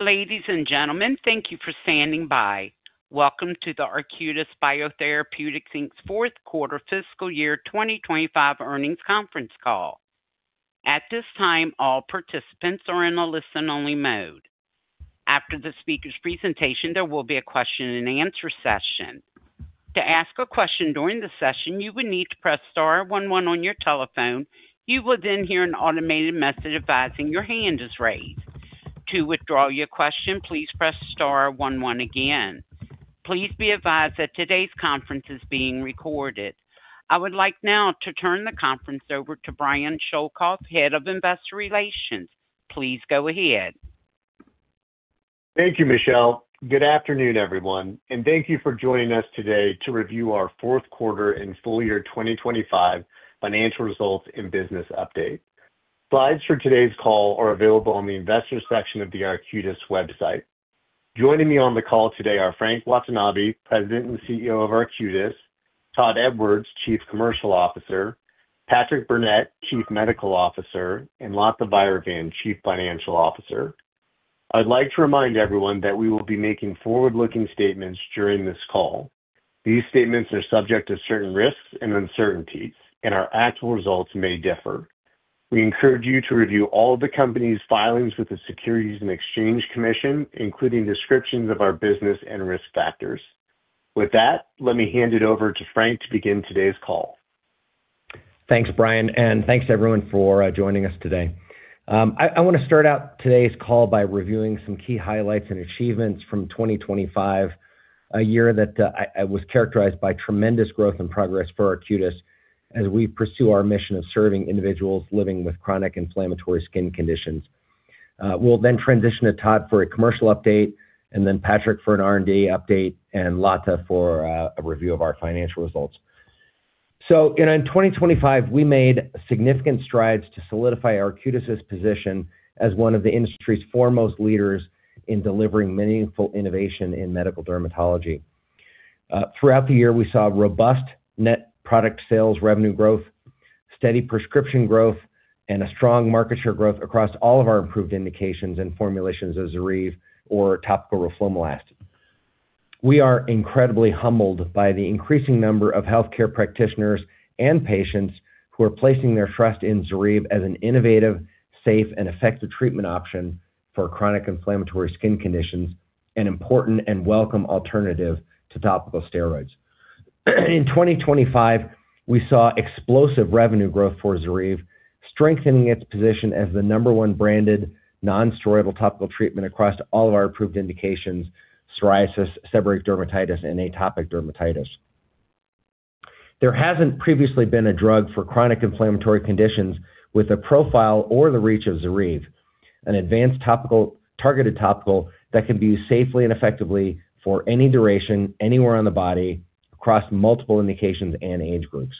Ladies and gentlemen, thank you for standing by. Welcome to the Arcutis Biotherapeutics Inc's fourth quarter fiscal year 2025 earnings conference call. At this time, all participants are in a listen-only mode. After the speaker's presentation, there will be a question-and-answer session. To ask a question during the session, you will need to press star one one on your telephone. You will hear an automated message advising your hand is raised. To withdraw your question, please press star one one again. Please be advised that today's conference is being recorded. I would like now to turn the conference over to Brian Schoelkopf, Head of Investor Relations. Please go ahead. Thank you, Michelle. Good afternoon, everyone, and thank you for joining us today to review our fourth quarter and full-year 2025 financial results and business update. Slides for today's call are available on the investors section of the Arcutis website. Joining me on the call today are Frank Watanabe, President and CEO of Arcutis, Todd Edwards, Chief Commercial Officer, Patrick Burnett, Chief Medical Officer, and John Smither, Chief Financial Officer. I'd like to remind everyone that we will be making forward-looking statements during this call. These statements are subject to certain risks and uncertainties, and our actual results may differ. We encourage you to review all of the company's filings with the Securities and Exchange Commission, including descriptions of our business and risk factors. With that, let me hand it over to Frank to begin today's call. Thanks, Brian, and thanks to everyone for joining us today. I want to start out today's call by reviewing some key highlights and achievements from 2025, a year that was characterized by tremendous growth and progress for Arcutis as we pursue our mission of serving individuals living with chronic inflammatory skin conditions. We'll then transition to Todd for a commercial update, and then Patrick for an R&D update, and Latha for a review of our financial results. In 2025, we made significant strides to solidify Arcutis' position as one of the industry's foremost leaders in delivering meaningful innovation in medical dermatology. Throughout the year, we saw robust net product sales revenue growth, steady prescription growth, and a strong market share growth across all of our approved indications and formulations of ZORYVE or topical roflumilast. We are incredibly humbled by the increasing number of healthcare practitioners and patients who are placing their trust in ZORYVE as an innovative, safe, and effective treatment option for chronic inflammatory skin conditions, an important and welcome alternative to topical steroids. In 2025, we saw explosive revenue growth for ZORYVE, strengthening its position as the number one branded non-steroidal topical treatment across all of our approved indications: psoriasis, seborrheic dermatitis, and atopic dermatitis. There hasn't previously been a drug for chronic inflammatory conditions with the profile or the reach of ZORYVE, an advanced targeted topical that can be used safely and effectively for any duration, anywhere on the body, across multiple indications and age groups.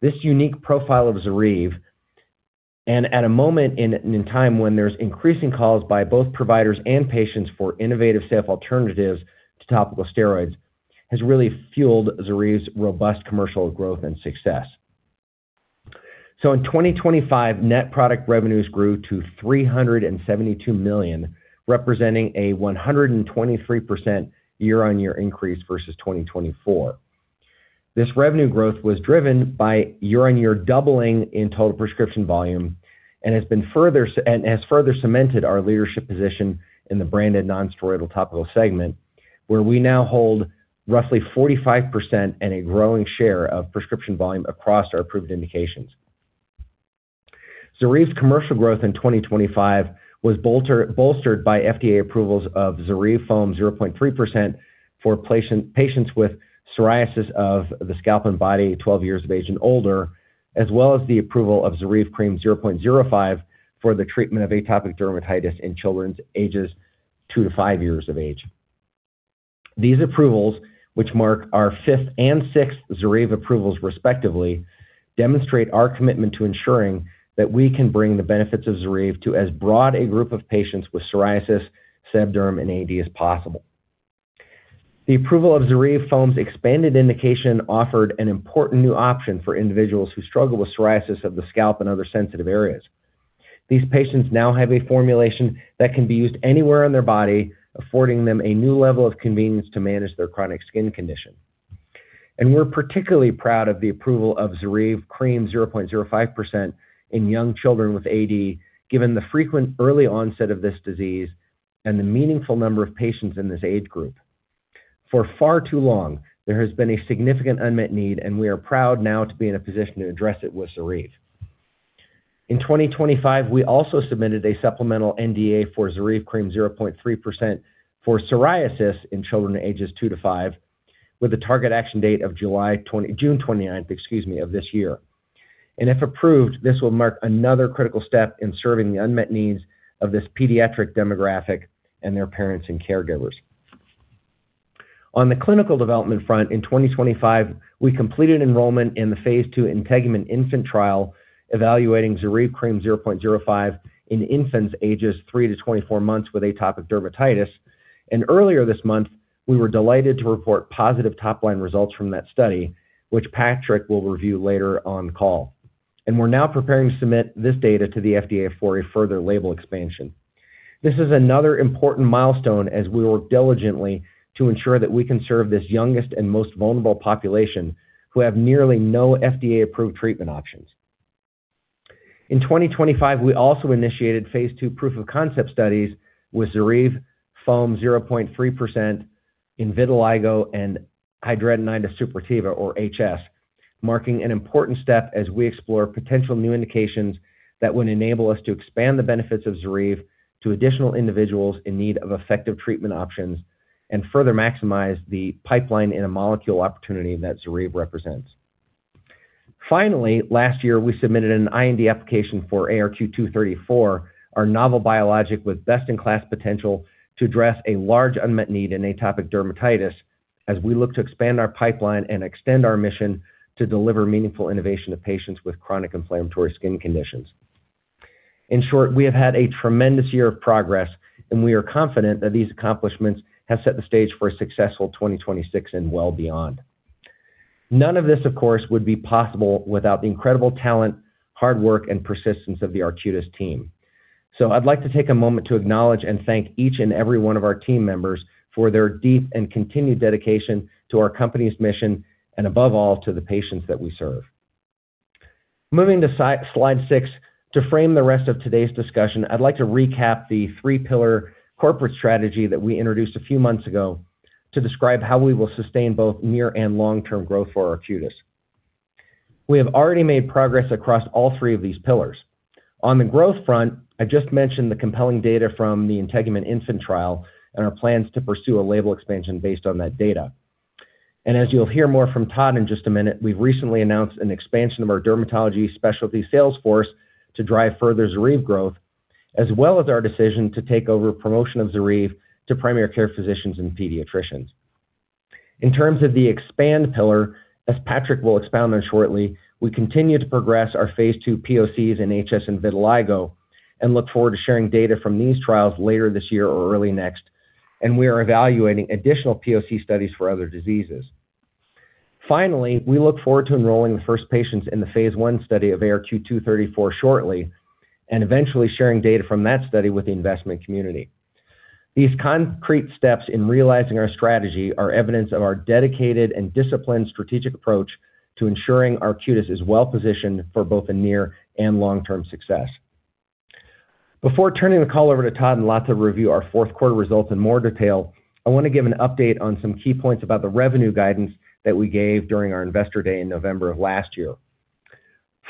This unique profile of ZORYVE, and at a moment in time when there's increasing calls by both providers and patients for innovative, safe alternatives to topical steroids, has really fueled ZORYVE's robust commercial growth and success. In 2025, net product revenues grew to $372 million, representing a 123% year-on-year increase versus 2024. This revenue growth was driven by year-on-year doubling in total prescription volume and has further cemented our leadership position in the branded non-steroidal topical segment, where we now hold roughly 45% and a growing share of prescription volume across our approved indications. ZORYVE's commercial growth in 2025 was bolstered by FDA approvals of ZORYVE foam 0.3% for patients with psoriasis of the scalp and body 12 years of age and older, as well as the approval of ZORYVE Cream 0.05 for the treatment of atopic dermatitis in children's ages two to five years of age. These approvals, which mark our fifth and sixth ZORYVE approvals respectively, demonstrate our commitment to ensuring that we can bring the benefits of ZORYVE to as broad a group of patients with psoriasis, sebderm, and AD as possible. The approval of ZORYVE Foam's expanded indication offered an important new option for individuals who struggle with psoriasis of the scalp and other sensitive areas. These patients now have a formulation that can be used anywhere on their body, affording them a new level of convenience to manage their chronic skin condition. We're particularly proud of the approval of ZORYVE Cream 0.05% in young children with AD, given the frequent early onset of this disease and the meaningful number of patients in this age group. For far too long, there has been a significant unmet need, and we are proud now to be in a position to address it with ZORYVE. In 2025, we also submitted an sNDA for ZORYVE Cream 0.3% for psoriasis in children ages two to five, with a target action date of June 29th, excuse me, of this year. If approved, this will mark another critical step in serving the unmet needs of this pediatric demographic and their parents and caregivers. On the clinical development front, in 2025, we completed enrollment in the phase 2 INTEGUMENT-INFANT trial, evaluating ZORYVE Cream 0.05 in infants ages 3 to 24 months with atopic dermatitis, and earlier this month, we were delighted to report positive top-line results from that study, which Patrick will review later on call. We're now preparing to submit this data to the FDA for a further label expansion. This is another important milestone as we work diligently to ensure that we can serve this youngest and most vulnerable population, who have nearly no FDA-approved treatment options. In 2025, we also initiated phase II proof-of-concept studies with ZORYVE Foam 0.3% in vitiligo and hidradenitis suppurativa, or HS, marking an important step as we explore potential new indications that would enable us to expand the benefits of ZORYVE to additional individuals in need of effective treatment options, and further maximize the pipeline in a molecule opportunity that ZORYVE represents. Last year, we submitted an IND application for ARQ-234, our novel biologic with best-in-class potential, to address a large unmet need in atopic dermatitis as we look to expand our pipeline and extend our mission to deliver meaningful innovation to patients with chronic inflammatory skin conditions. In short, we have had a tremendous year of progress, and we are confident that these accomplishments have set the stage for a successful 2026 and well beyond. None of this, of course, would be possible without the incredible talent, hard work, and persistence of the Arcutis team. I'd like to take a moment to acknowledge and thank each and every one of our team members for their deep and continued dedication to our company's mission, and above all, to the patients that we serve. Moving to slide six, to frame the rest of today's discussion, I'd like to recap the 3-pillar corporate strategy that we introduced a few months ago to describe how we will sustain both near and long-term growth for Arcutis. We have already made progress across all 3 of these pillars. On the growth front, I just mentioned the compelling data from the INTEGUMENT-INFANT trial and our plans to pursue a label expansion based on that data. As you'll hear more from Todd in just a minute, we've recently announced an expansion of our dermatology specialty sales force to drive further ZORYVE growth, as well as our decision to take over promotion of ZORYVE to primary care physicians and pediatricians. In terms of the expand pillar, as Patrick will expound on shortly, we continue to progress our Phase 2 POCs in HS and vitiligo, and look forward to sharing data from these trials later this year or early next, and we are evaluating additional POC studies for other diseases. Finally, we look forward to enrolling the first patients in the Phase 1 study of ARQ-234 shortly, and eventually sharing data from that study with the investment community. These concrete steps in realizing our strategy are evidence of our dedicated and disciplined strategic approach to ensuring Arcutis is well-positioned for both the near and long-term success. Before turning the call over to Todd and Latha to review our fourth quarter results in more detail, I want to give an update on some key points about the revenue guidance that we gave during our Investor Day in November of last year.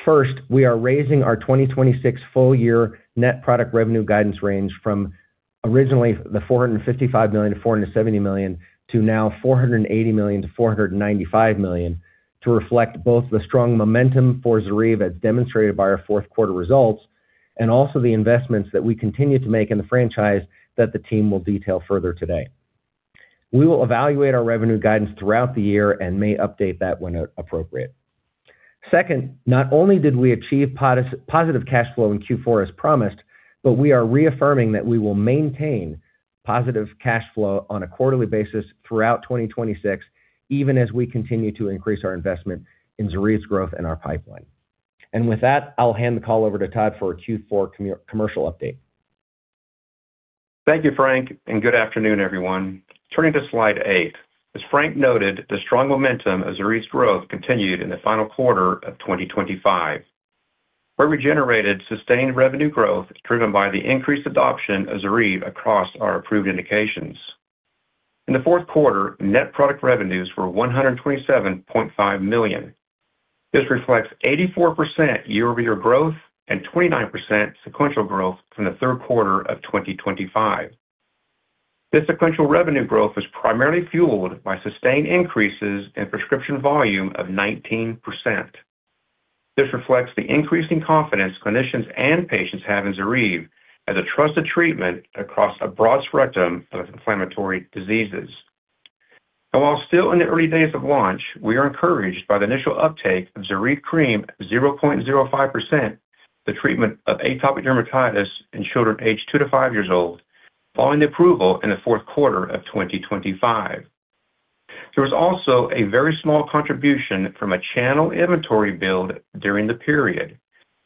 First, we are raising our 2026 full-year net product revenue guidance range from originally the $455-470 million, to now $480-495 million, to reflect both the strong momentum for ZORYVE as demonstrated by our fourth quarter results, and also the investments that we continue to make in the franchise that the team will detail further today. We will evaluate our revenue guidance throughout the year and may update that when appropriate. Not only did we achieve positive cash flow in Q4 as promised, we are reaffirming that we will maintain positive cash flow on a quarterly basis throughout 2026, even as we continue to increase our investment in ZORYVE's growth and our pipeline. With that, I'll hand the call over to Todd for a Q4 commercial update. Thank you, Frank. Good afternoon, everyone. Turning to slide eight, as Frank noted, the strong momentum of ZORYVE's growth continued in the final quarter of 2025, where we generated sustained revenue growth driven by the increased adoption of ZORYVE across our approved indications. In the fourth quarter, net product revenues were $127.5 million. This reflects 84% year-over-year growth and 29% sequential growth from the third quarter of 2025. This sequential revenue growth was primarily fueled by sustained increases in prescription volume of 19%. This reflects the increasing confidence clinicians and patients have in ZORYVE as a trusted treatment across a broad spectrum of inflammatory diseases. While still in the early days of launch, we are encouraged by the initial uptake of ZORYVE Cream 0.05%, the treatment of atopic dermatitis in children aged two to five years old, following the approval in the fourth quarter of 2025. There was also a very small contribution from a channel inventory build during the period,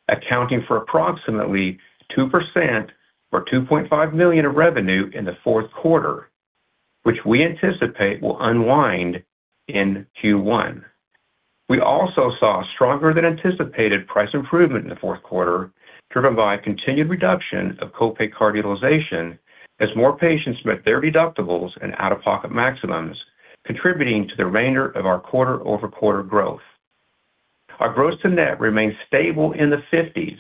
accounting for approximately 2% or $2.5 million of revenue in the fourth quarter, which we anticipate will unwind in Q1. We also saw stronger than anticipated price improvement in the fourth quarter, driven by a continued reduction of co-pay card utilization as more patients met their deductibles and out-of-pocket maximums, contributing to the remainder of our quarter-over-quarter growth. Our gross to net remains stable in the 50s,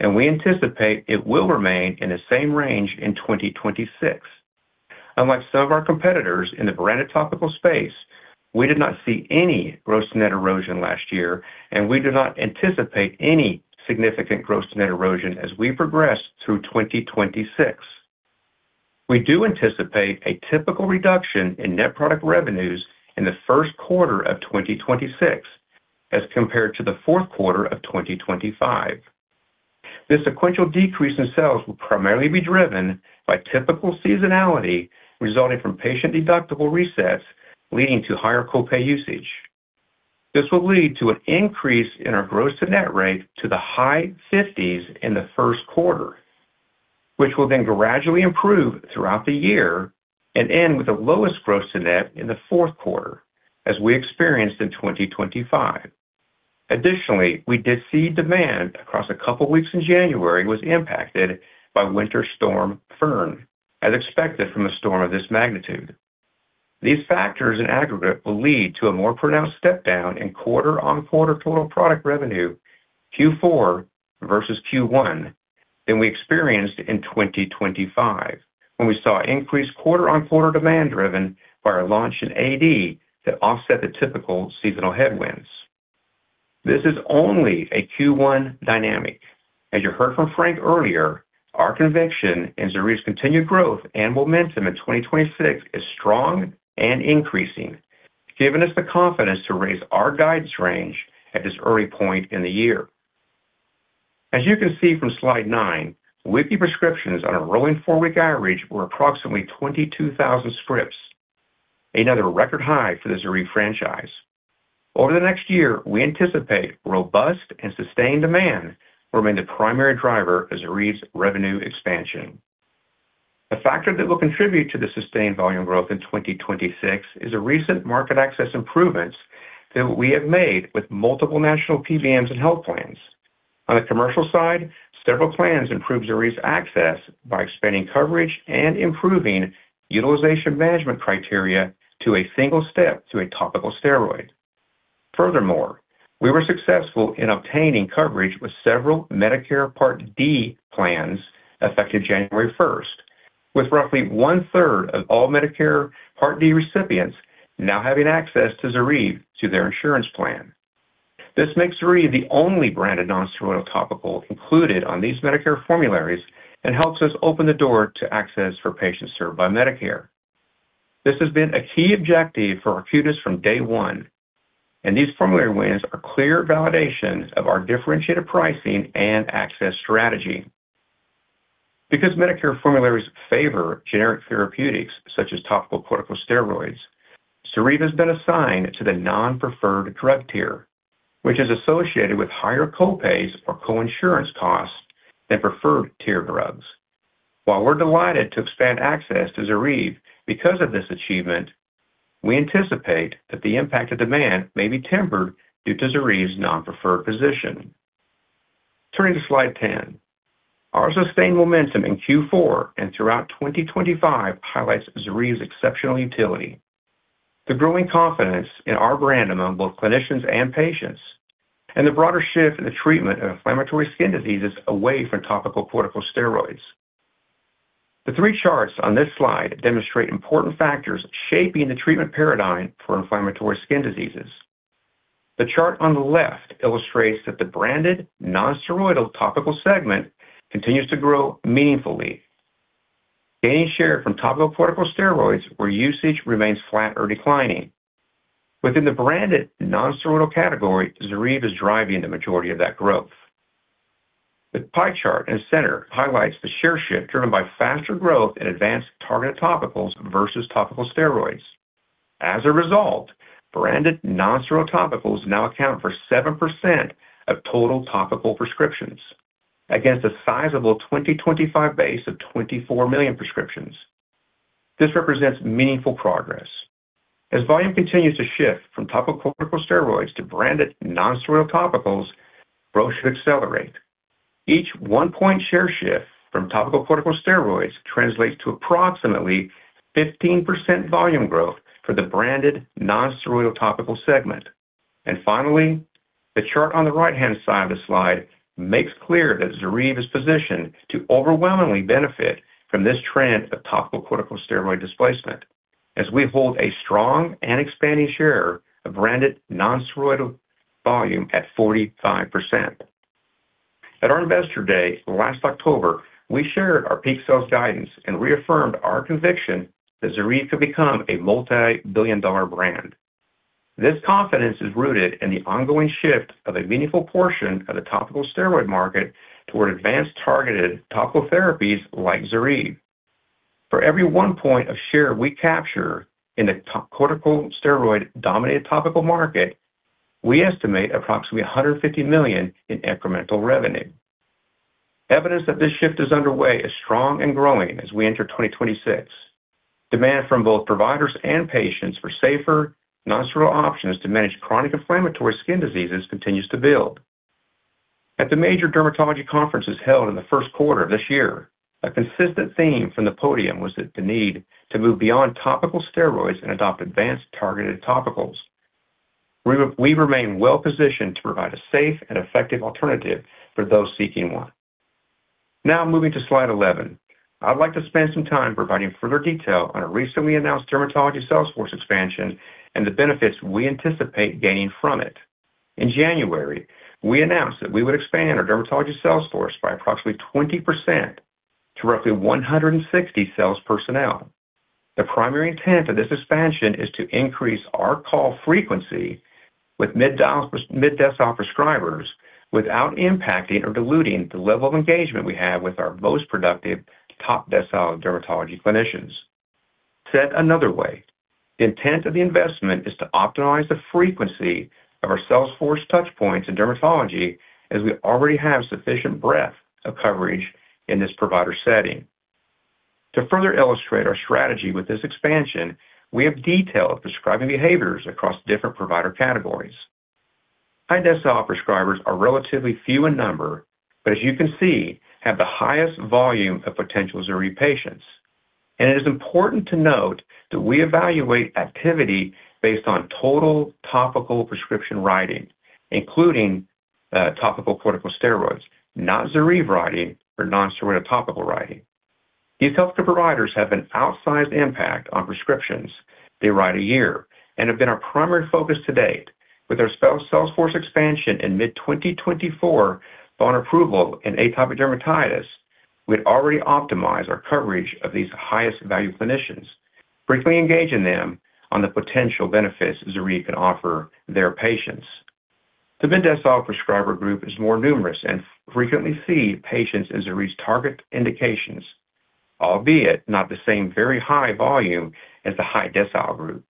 and we anticipate it will remain in the same range in 2026. Unlike some of our competitors in the branded topical space, we did not see any gross net erosion last year, and we do not anticipate any significant gross net erosion as we progress through 2026. We do anticipate a typical reduction in net product revenues in the first quarter of 2026 as compared to the fourth quarter of 2025. This sequential decrease in sales will primarily be driven by typical seasonality, resulting from patient deductible resets, leading to higher copay usage. This will lead to an increase in our gross to net rate to the high 50s in the first quarter, which will then gradually improve throughout the year and end with the lowest gross to net in the fourth quarter, as we experienced in 2025. Additionally, we did see demand across a couple weeks in January was impacted by Winter Storm Fern, as expected from a storm of this magnitude. These factors in aggregate will lead to a more pronounced step down in quarter-on-quarter total product revenue, Q4 versus Q1, than we experienced in 2025, when we saw increased quarter-on-quarter demand driven by our launch in AD that offset the typical seasonal headwinds. This is only a Q1 dynamic. As you heard from Frank earlier, our conviction in ZORYVE's continued growth and momentum in 2026 is strong and increasing, giving us the confidence to raise our guidance range at this early point in the year. As you can see from slide nine, weekly prescriptions on a rolling 4-week average were approximately 22,000 scripts, another record high for the ZORYVE franchise. Over the next year, we anticipate robust and sustained demand will remain the primary driver of ZORYVE's revenue expansion. A factor that will contribute to the sustained volume growth in 2026 is a recent market access improvements that we have made with multiple national PBMs and health plans. On the commercial side, several plans improved ZORYVE's access by expanding coverage and improving utilization management criteria to a single step to a topical steroid. We were successful in obtaining coverage with several Medicare Part D plans, effective January 1st, with roughly 1/3 of all Medicare Part D recipients now having access to ZORYVE through their insurance plan. This makes ZORYVE the only branded nonsteroidal topical included on these Medicare formularies and helps us open the door to access for patients served by Medicare. This has been a key objective for Arcutis from day one, and these formulary wins are clear validations of our differentiated pricing and access strategy. Because Medicare formularies favor generic therapeutics, such as topical corticosteroids, ZORYVE has been assigned to the non-preferred drug tier, which is associated with higher copays or coinsurance costs than preferred tier drugs. While we're delighted to expand access to ZORYVE because of this achievement, we anticipate that the impact of demand may be tempered due to ZORYVE's non-preferred position. Turning to slide 10. Our sustained momentum in Q4 and throughout 2025 highlights ZORYVE's exceptional utility. The growing confidence in our brand among both clinicians and patients, and the broader shift in the treatment of inflammatory skin diseases away from topical corticosteroids. The three charts on this slide demonstrate important factors shaping the treatment paradigm for inflammatory skin diseases. The chart on the left illustrates that the branded non-steroidal topical segment continues to grow meaningfully, gaining share from topical corticosteroids where usage remains flat or declining. Within the branded non-steroidal category, ZORYVE is driving the majority of that growth. The pie chart in the center highlights the share shift, driven by faster growth in advanced targeted topicals versus topical steroids. Branded non-steroidal topicals now account for 7% of total topical prescriptions, against a sizable 2025 base of 24 million prescriptions. This represents meaningful progress. Volume continues to shift from topical corticosteroids to branded non-steroidal topicals, growth should accelerate. Each 1 point share shift from topical corticosteroids translates to approximately 15% volume growth for the branded non-steroidal topical segment. Finally, the chart on the right-hand side of the slide makes clear that ZORYVE is positioned to overwhelmingly benefit from this trend of topical corticosteroid displacement, as we hold a strong and expanding share of branded non-steroidal volume at 45%. At our Investor Day, last October, we shared our peak sales guidance and reaffirmed our conviction that ZORYVE could become a multi-billion dollar brand. This confidence is rooted in the ongoing shift of a meaningful portion of the topical steroid market toward advanced targeted topical therapies like ZORYVE. For every 1 point of share we capture in the corticosteroid-dominated topical market, we estimate approximately $150 million in incremental revenue. Evidence that this shift is underway is strong and growing as we enter 2026. Demand from both providers and patients for safer, nonsteroidal options to manage chronic inflammatory skin diseases continues to build. At the major dermatology conferences held in the first quarter of this year, a consistent theme from the podium was that the need to move beyond topical steroids and adopt advanced targeted topicals. We remain well positioned to provide a safe and effective alternative for those seeking one. Now, moving to Slide 11. I'd like to spend some time providing further detail on a recently announced dermatology salesforce expansion and the benefits we anticipate gaining from it. In January, we announced that we would expand our dermatology salesforce by approximately 20% to roughly 160 sales personnel. The primary intent of this expansion is to increase our call frequency with mid-dial, mid-decile prescribers without impacting or diluting the level of engagement we have with our most productive top-decile dermatology clinicians. Said another way, the intent of the investment is to optimize the frequency of our sales force touch points in dermatology, as we already have sufficient breadth of coverage in this provider setting. To further illustrate our strategy with this expansion, we have detailed prescribing behaviors across different provider categories. High-decile prescribers are relatively few in number, but as you can see, have the highest volume of potential ZORYVE patients. It is important to note that we evaluate activity based on total topical prescription writing, including topical corticosteroids, not ZORYVE writing or nonsteroidal topical writing. These healthcare providers have an outsized impact on prescriptions they write a year and have been our primary focus to date. With our sales force expansion in mid-2024 on approval in atopic dermatitis, we'd already optimized our coverage of these highest value clinicians, briefly engaging them on the potential benefits ZORYVE can offer their patients. The mid-decile prescriber group is more numerous and frequently see patients as ZORYVE's target indications, albeit not the same very high volume as the high-decile group.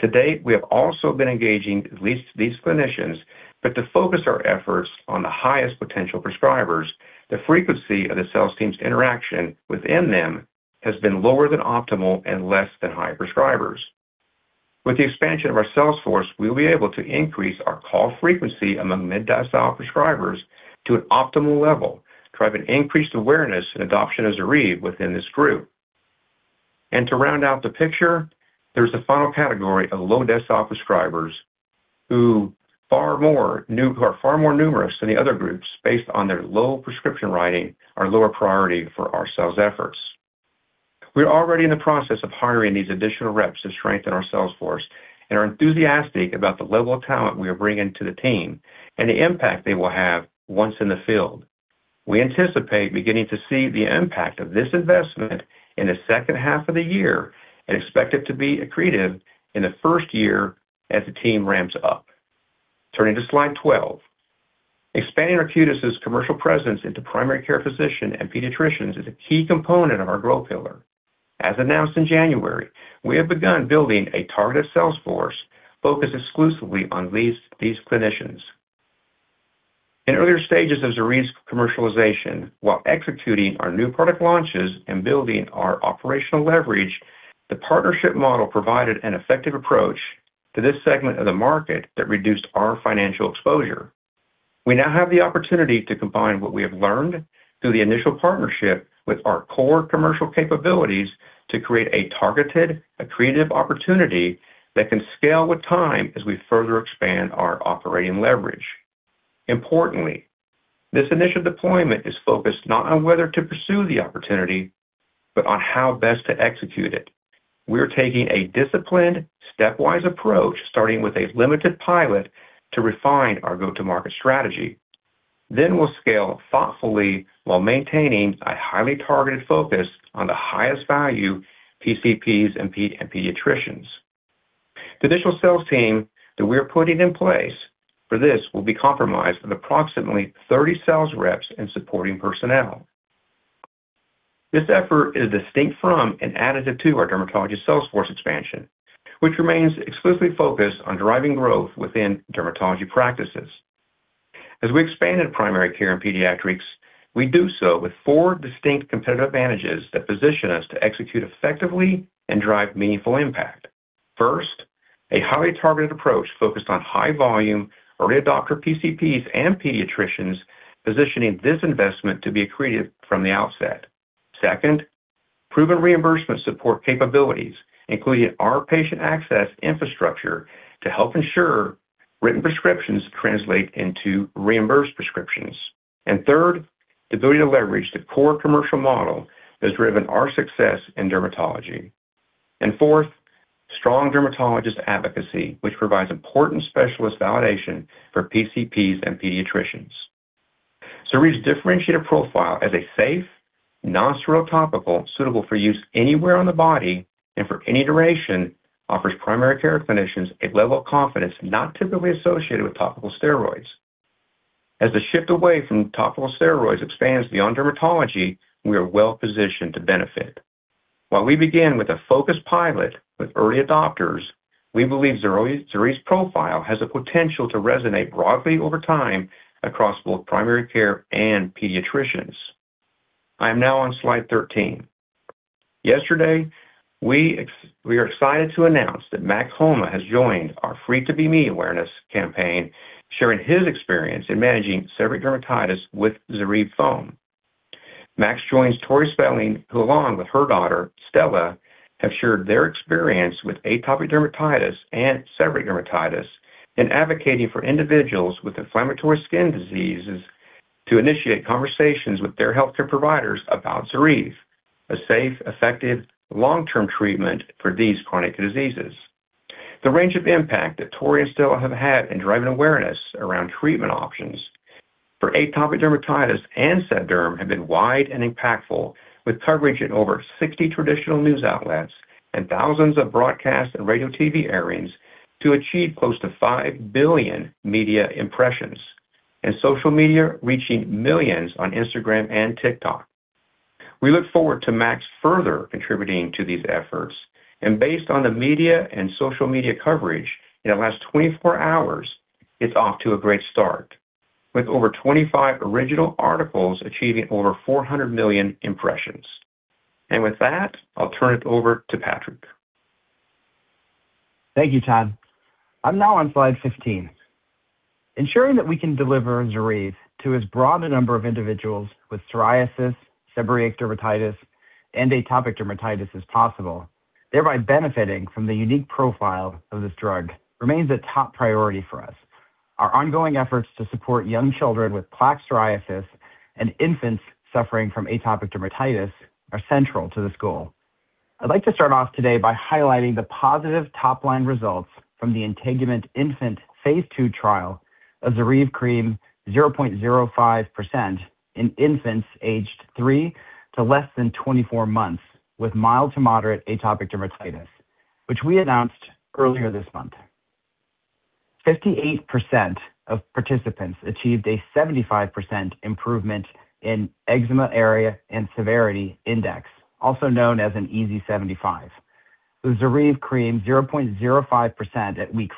To date, we have also been engaging at least these clinicians, but to focus our efforts on the highest potential prescribers, the frequency of the sales team's interaction within them has been lower than optimal and less than high prescribers. With the expansion of our sales force, we will be able to increase our call frequency among mid-decile prescribers to an optimal level, drive an increased awareness and adoption of ZORYVE within this group. To round out the picture, there's a final category of low-decile prescribers who are far more numerous than the other groups based on their low prescription writing, are lower priority for our sales efforts. We are already in the process of hiring these additional reps to strengthen our sales force and are enthusiastic about the level of talent we are bringing to the team and the impact they will have once in the field. We anticipate beginning to see the impact of this investment in the second half of the year and expect it to be accretive in the first year as the team ramps up. Turning to slide 12. Expanding Arcutis' commercial presence into primary care physicians and pediatricians is a key component of our growth pillar. As announced in January, we have begun building a targeted sales force focused exclusively on these clinicians. In earlier stages of ZORYVE's commercialization, while executing our new product launches and building our operational leverage, the partnership model provided an effective approach to this segment of the market that reduced our financial exposure. We now have the opportunity to combine what we have learned through the initial partnership with our core commercial capabilities to create a targeted, accretive opportunity that can scale with time as we further expand our operating leverage. This initial deployment is focused not on whether to pursue the opportunity, but on how best to execute it. We are taking a disciplined, stepwise approach, starting with a limited pilot to refine our go-to-market strategy. We'll scale thoughtfully while maintaining a highly targeted focus on the highest value PCPs and pediatricians. The initial sales team that we are putting in place for this will be comprised of approximately 30 sales reps and supporting personnel. This effort is distinct from and additive to our dermatology sales force expansion, which remains exclusively focused on driving growth within dermatology practices. As we expand into primary care and pediatrics, we do so with four distinct competitive advantages that position us to execute effectively and drive meaningful impact. First, a highly targeted approach focused on high volume, early adopter PCPs and pediatricians, positioning this investment to be accretive from the outset. Second, proven reimbursement support capabilities, including our patient access infrastructure, to help ensure written prescriptions translate into reimbursed prescriptions. Third, the ability to leverage the core commercial model that has driven our success in dermatology. Fourth, strong dermatologist advocacy, which provides important specialist validation for PCPs and pediatricians. ZORYVE's differentiated profile as a safe, nonsteroidal topical, suitable for use anywhere on the body and for any duration, offers primary care clinicians a level of confidence not typically associated with topical steroids. As the shift away from topical steroids expands beyond dermatology, we are well positioned to benefit. While we begin with a focused pilot with early adopters, we believe ZORYVE's profile has the potential to resonate broadly over time across both primary care and pediatricians. I am now on slide 13. Yesterday, we are excited to announce that Max Homa has joined our Free to Be Me awareness campaign, sharing his experience in managing seborrheic dermatitis with ZORYVE foam. Max joins Tori Spelling, who, along with her daughter Stella, have shared their experience with atopic dermatitis and seborrheic dermatitis in advocating for individuals with inflammatory skin diseases to initiate conversations with their healthcare providers about ZORYVE, a safe, effective, long-term treatment for these chronic diseases. The range of impact that Tori Spelling and Stella have had in driving awareness around treatment options for atopic dermatitis and sed derm have been wide and impactful, with coverage in over 60 traditional news outlets and thousands of broadcast and radio TV airings to achieve close to 5 billion media impressions, and social media reaching millions on Instagram and TikTok. We look forward to Max further contributing to these efforts, and based on the media and social media coverage in the last 24 hours, it's off to a great start, with over 25 original articles achieving over 400 million impressions. With that, I'll turn it over to Patrick. Thank you, Todd. I'm now on slide 15. Ensuring that we can deliver ZORYVE to as broad a number of individuals with psoriasis, seborrheic dermatitis, and atopic dermatitis as possible, thereby benefiting from the unique profile of this drug, remains a top priority for us. Our ongoing efforts to support young children with plaque psoriasis and infants suffering from atopic dermatitis are central to this goal. I'd like to start off today by highlighting the positive top-line results from the INTEGUMENT-INFANT phase 2 trial of ZORYVE cream 0.05% in infants aged 3 to less than 24 months with mild to moderate atopic dermatitis, which we announced earlier this month. 58% of participants achieved a 75% improvement in Eczema Area and Severity Index, also known as an EASI-75, with ZORYVE cream 0.05% at week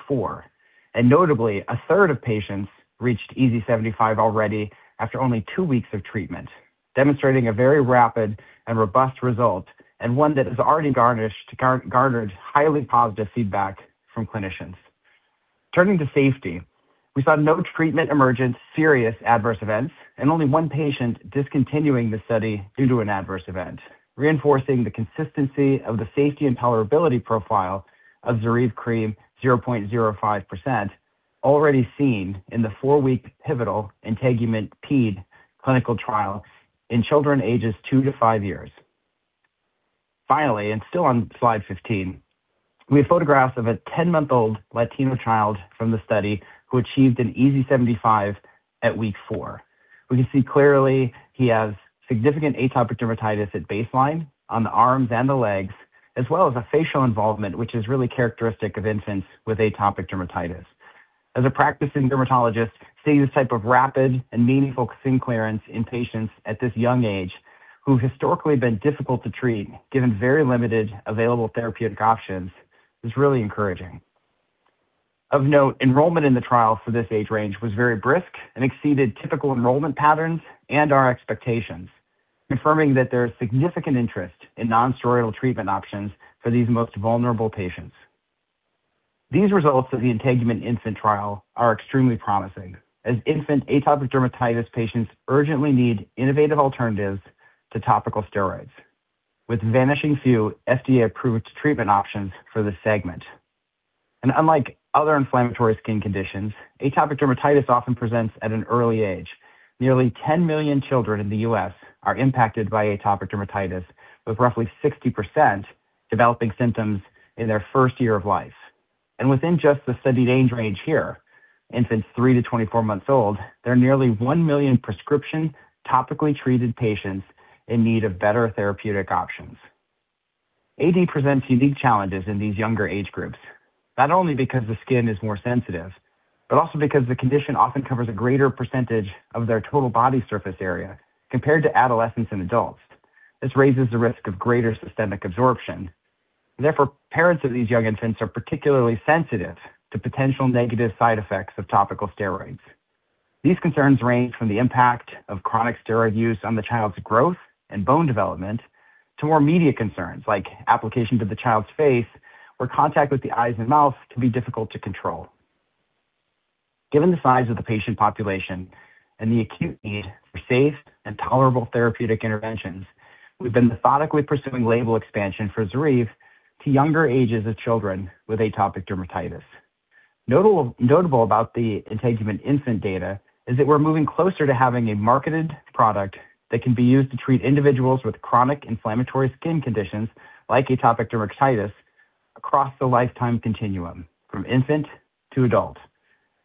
4. Notably, a third of patients reached EASI-75 already after only two weeks of treatment, demonstrating a very rapid and robust result, one that has already garnered highly positive feedback from clinicians. Turning to safety, we saw no treatment-emergent serious adverse events and only one patient discontinuing the study due to an adverse event, reinforcing the consistency of the safety and tolerability profile of ZORYVE cream 0.05% already seen in the four-week pivotal INTEGUMENT-PED clinical trial in children ages two to five years. Finally, still on slide 15, we have photographs of a 10-month-old Latino child from the study who achieved an EASI-75 at week four. We can see clearly he has significant atopic dermatitis at baseline on the arms and the legs, as well as a facial involvement, which is really characteristic of infants with atopic dermatitis. As a practicing dermatologist, seeing this type of rapid and meaningful skin clearance in patients at this young age, who've historically been difficult to treat, given very limited available therapeutic options, is really encouraging. Of note, enrollment in the trial for this age range was very brisk and exceeded typical enrollment patterns and our expectations, confirming that there is significant interest in non-steroidal treatment options for these most vulnerable patients. These results of the INTEGUMENT-INFANT trial are extremely promising, as infant atopic dermatitis patients urgently need innovative alternatives to topical steroids, with vanishing few FDA-approved treatment options for this segment. Unlike other inflammatory skin conditions, atopic dermatitis often presents at an early age. Nearly 10 million children in the U.S. are impacted by atopic dermatitis, with roughly 60% developing symptoms in their first year of life. Within just the studied age range here, infants 3 to 24 months old, there are nearly 1 million prescription topically treated patients in need of better therapeutic options. AD presents unique challenges in these younger age groups, not only because the skin is more sensitive, but also because the condition often covers a greater % of their total body surface area compared to adolescents and adults. This raises the risk of greater systemic absorption. Therefore, parents of these young infants are particularly sensitive to potential negative side effects of topical steroids. These concerns range from the impact of chronic steroid use on the child's growth and bone development, to more immediate concerns, like application to the child's face, where contact with the eyes and mouth can be difficult to control. Given the size of the patient population and the acute need for safe and tolerable therapeutic interventions, we've been methodically pursuing label expansion for ZORYVE to younger ages of children with atopic dermatitis. Notable about the INTEGUMENT-INFANT data is that we're moving closer to having a marketed product that can be used to treat individuals with chronic inflammatory skin conditions, like atopic dermatitis, across the lifetime continuum, from infant to adult.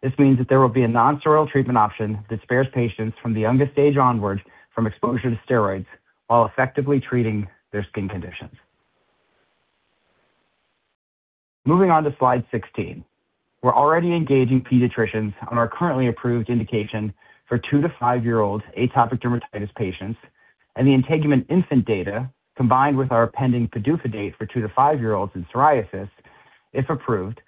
This means that there will be a non-steroidal treatment option that spares patients from the youngest age onward from exposure to steroids while effectively treating their skin conditions. Moving on to slide 16. We're already engaging pediatricians on our currently approved indication for twoto five-year-old atopic dermatitis patients. The INTEGUMENT-INFANT data, combined with our pending PDUFA date for two to five-year-olds in psoriasis, if approved,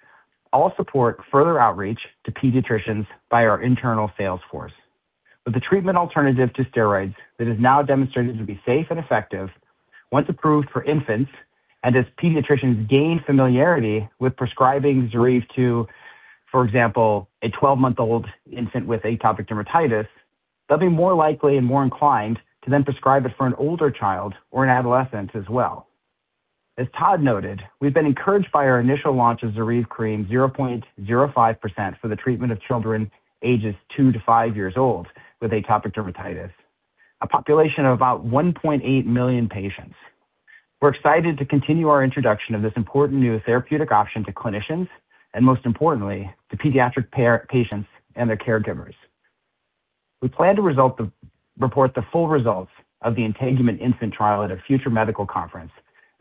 all support further outreach to pediatricians by our internal sales force. With a treatment alternative to steroids that is now demonstrated to be safe and effective, once approved for infants, as pediatricians gain familiarity with prescribing ZORYVE to, for example, a 12-month-old infant with atopic dermatitis, they'll be more likely and more inclined to then prescribe it for an older child or an adolescent as well. As Todd noted, we've been encouraged by our initial launch of ZORYVE cream 0.05% for the treatment of children ages two to five years old with atopic dermatitis. A population of about 1.8 million patients. We're excited to continue our introduction of this important new therapeutic option to clinicians, and most importantly, to pediatric patients and their caregivers. We plan to report the full results of the INTEGUMENT-INFANT trial at a future medical conference.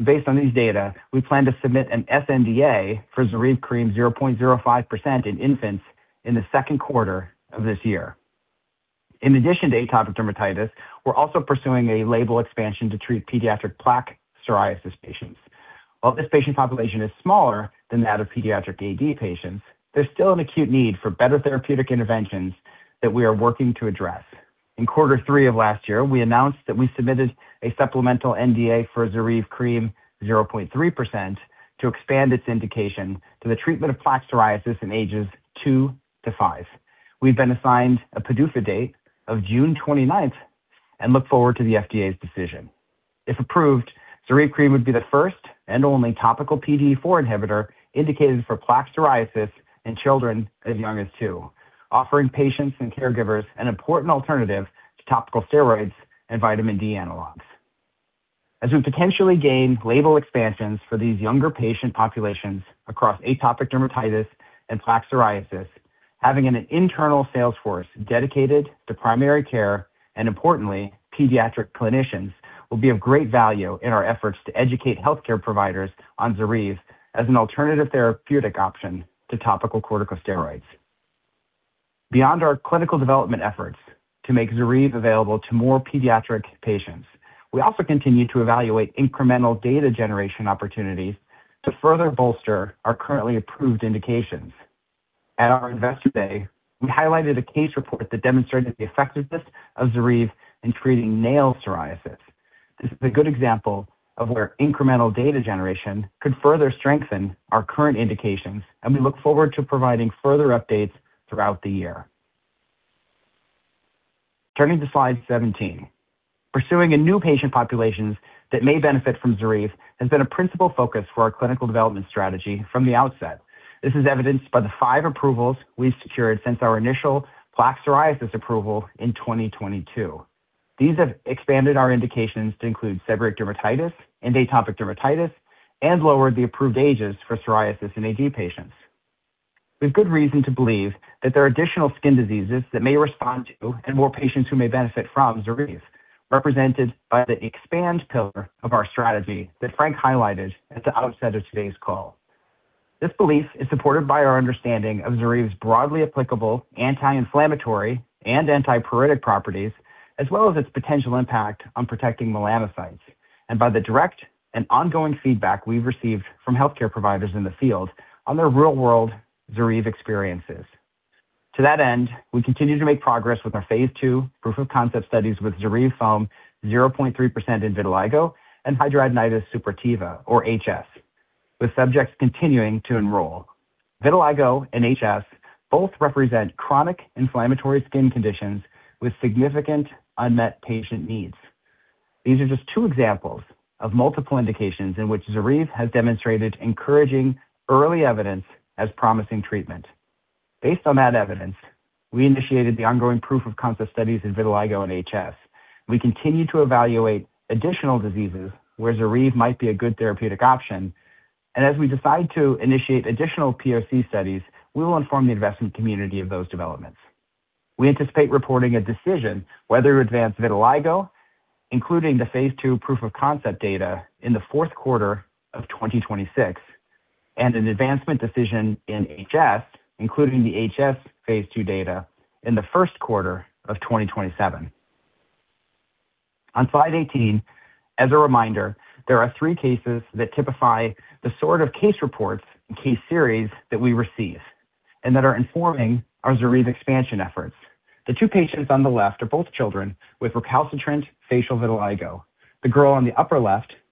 Based on these data, we plan to submit an sNDA for ZORYVE cream 0.05% in infants in the second quarter of this year. In addition to atopic dermatitis, we're also pursuing a label expansion to treat pediatric plaque psoriasis patients. This patient population is smaller than that of pediatric AD patients, there's still an acute need for better therapeutic interventions that we are working to address. In quarter three of last year, we announced that we submitted a supplemental NDA for ZORYVE cream 0.3% to expand its indication to the treatment of plaque psoriasis in ages 2 to 5. We've been assigned a PDUFA date of June twenty-ninth and look forward to the FDA's decision. If approved, ZORYVE Cream would be the first and only topical PDE4 inhibitor indicated for plaque psoriasis in children as young as two, offering patients and caregivers an important alternative to topical steroids and vitamin D analogs. As we potentially gain label expansions for these younger patient populations across atopic dermatitis and plaque psoriasis, having an internal sales force dedicated to primary care, and importantly, pediatric clinicians, will be of great value in our efforts to educate healthcare providers on ZORYVE as an alternative therapeutic option to topical corticosteroids. Beyond our clinical development efforts to make ZORYVE available to more pediatric patients, we also continue to evaluate incremental data generation opportunities to further bolster our currently approved indications. At our Investor Day, we highlighted a case report that demonstrated the effectiveness of ZORYVE in treating nail psoriasis. This is a good example of where incremental data generation could further strengthen our current indications, and we look forward to providing further updates throughout the year. Turning to slide 17. Pursuing a new patient populations that may benefit from ZORYVE has been a principal focus for our clinical development strategy from the outset. This is evidenced by the 5 approvals we've secured since our initial plaque psoriasis approval in 2022. These have expanded our indications to include seborrheic dermatitis and atopic dermatitis, and lowered the approved ages for psoriasis in AD patients. We have good reason to believe that there are additional skin diseases that may respond to, and more patients who may benefit from, ZORYVE, represented by the expand pillar of our strategy that Frank highlighted at the outset of today's call. This belief is supported by our understanding of ZORYVE's broadly applicable anti-inflammatory and antipruritic properties, as well as its potential impact on protecting melanocytes, and by the direct and ongoing feedback we've received from healthcare providers in the field on their real-world ZORYVE experiences. To that end, we continue to make progress with our phase 2 proof-of-concept studies with ZORYVE Foam 0.3% in vitiligo and hidradenitis suppurativa, or HS, with subjects continuing to enroll. Vitiligo and HS both represent chronic inflammatory skin conditions with significant unmet patient needs. These are just two examples of multiple indications in which ZORYVE has demonstrated encouraging early evidence as promising treatment. Based on that evidence, we initiated the ongoing proof-of-concept studies in vitiligo and HS. We continue to evaluate additional diseases where ZORYVE might be a good therapeutic option. As we decide to initiate additional POC studies, we will inform the investment community of those developments. We anticipate reporting a decision whether to advance vitiligo, including the phase 2 proof-of-concept data in the fourth quarter of 2026. An advancement decision in HS, including the HS phase 2 data, in the first quarter of 2027. On slide 18, as a reminder, there are three cases that typify the sort of case reports and case series that we receive. That are informing our ZORYVE expansion efforts. The two patients on the left are both children with recalcitrant facial vitiligo. The girl on the upper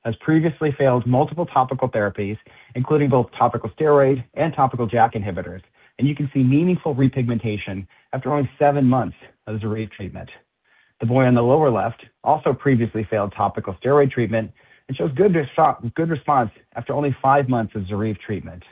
left has previously failed multiple topical therapies, including both topical steroids and topical JAK inhibitors. You can see meaningful repigmentation after only seven months of ZORYVE treatment. The boy on the lower left also previously failed topical steroid treatment and shows good response after only five months of ZORYVE treatment.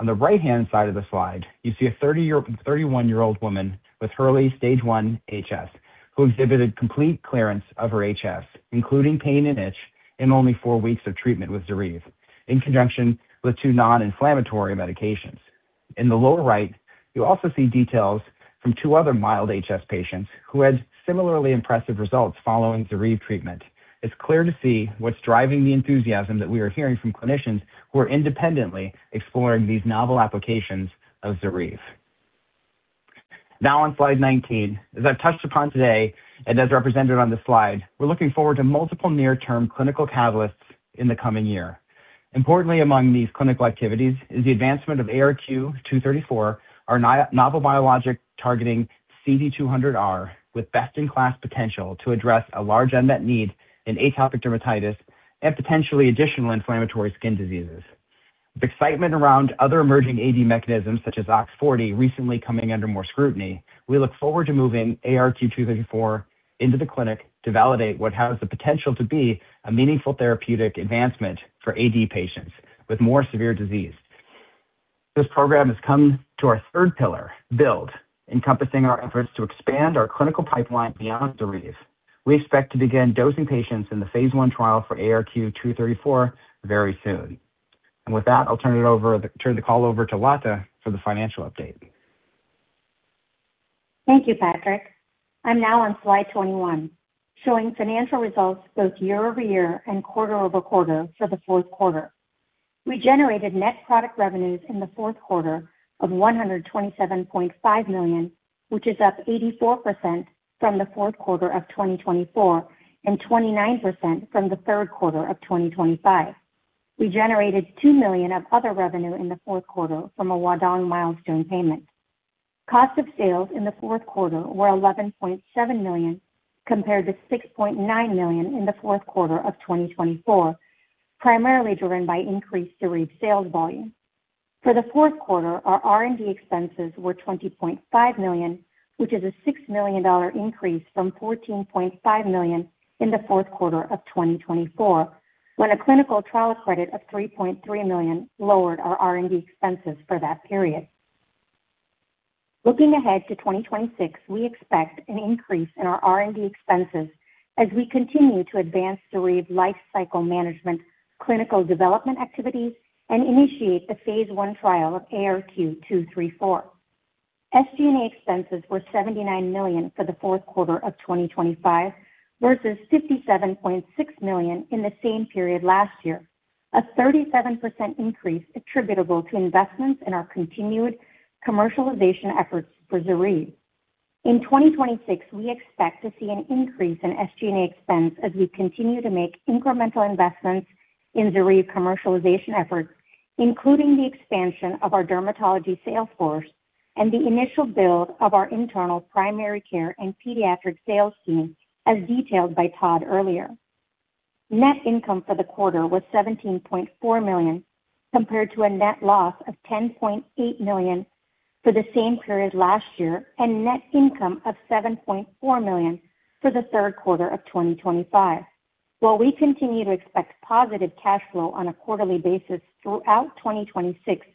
On the right-hand side of the slide, you see a 31-year-old woman with early stage 1 HS, who exhibited complete clearance of her HS, including pain and itch, in only four weeks of treatment with ZORYVE, in conjunction with two non-inflammatory medications. In the lower right, you also see details from two other mild HS patients who had similarly impressive results following ZORYVE treatment. It's clear to see what's driving the enthusiasm that we are hearing from clinicians who are independently exploring these novel applications of ZORYVE. Now on slide 19. As I've touched upon today, and as represented on this slide, we're looking forward to multiple near-term clinical catalysts in the coming year. Importantly, among these clinical activities is the advancement of ARQ-234, our novel biologic targeting CD200R, with best-in-class potential to address a large unmet need in atopic dermatitis and potentially additional inflammatory skin diseases. The excitement around other emerging AD mechanisms, such as OX40, recently coming under more scrutiny, we look forward to moving ARQ-234 into the clinic to validate what has the potential to be a meaningful therapeutic advancement for AD patients with more severe disease. This program has come to our third pillar, build, encompassing our efforts to expand our clinical pipeline beyond ZORYVE. We expect to begin dosing patients in the phase 1 trial for ARQ-234 very soon. With that, I'll turn the call over to Lata for the financial update. Thank you, Patrick. I'm now on slide 21, showing financial results both year-over-year and quarter-over-quarter for the fourth quarter. We generated net product revenues in the fourth quarter of $127.5 million, which is up 84% from the fourth quarter of 2024, and 29% from the third quarter of 2025. We generated $2 million of other revenue in the fourth quarter from a Huadong milestone payment. Cost of sales in the fourth quarter were $11.7 million, compared to $6.9 million in the fourth quarter of 2024, primarily driven by increased ZORYVE sales volume. For the fourth quarter, our R&D expenses were $20.5 million, which is a $6 million increase from $14.5 million in the fourth quarter of 2024, when a clinical trial credit of $3.3 million lowered our R&D expenses for that period. Looking ahead to 2026, we expect an increase in our R&D expenses as we continue to advance ZORYVE life cycle management, clinical development activities, and initiate the phase 1 trial of ARQ-234. SG&A expenses were $79 million for the fourth quarter of 2025, versus $57.6 million in the same period last year, a 37% increase attributable to investments in our continued commercialization efforts for ZORYVE. In 2026, we expect to see an increase in SG&A expense as we continue to make incremental investments in ZORYVE commercialization efforts, including the expansion of our dermatology sales force and the initial build of our internal primary care and pediatric sales team, as detailed by Todd earlier. Net income for the quarter was $17.4 million, compared to a net loss of $10.8 million for the same period last year, and net income of $7.4 million for the third quarter of 2025. While we continue to expect positive cash flow on a quarterly basis throughout 2026,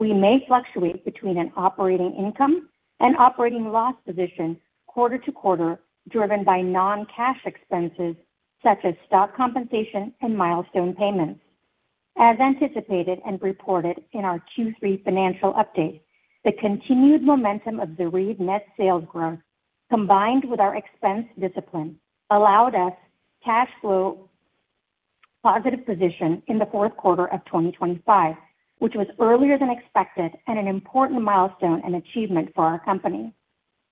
we may fluctuate between an operating income and operating loss position quarter to quarter, driven by non-cash expenses such as stock compensation and milestone payments. As anticipated and reported in our Q3 financial update, the continued momentum of ZORYVE net sales growth, combined with our expense discipline, allowed us cash flow positive position in the fourth quarter of 2025, which was earlier than expected and an important milestone and achievement for our company.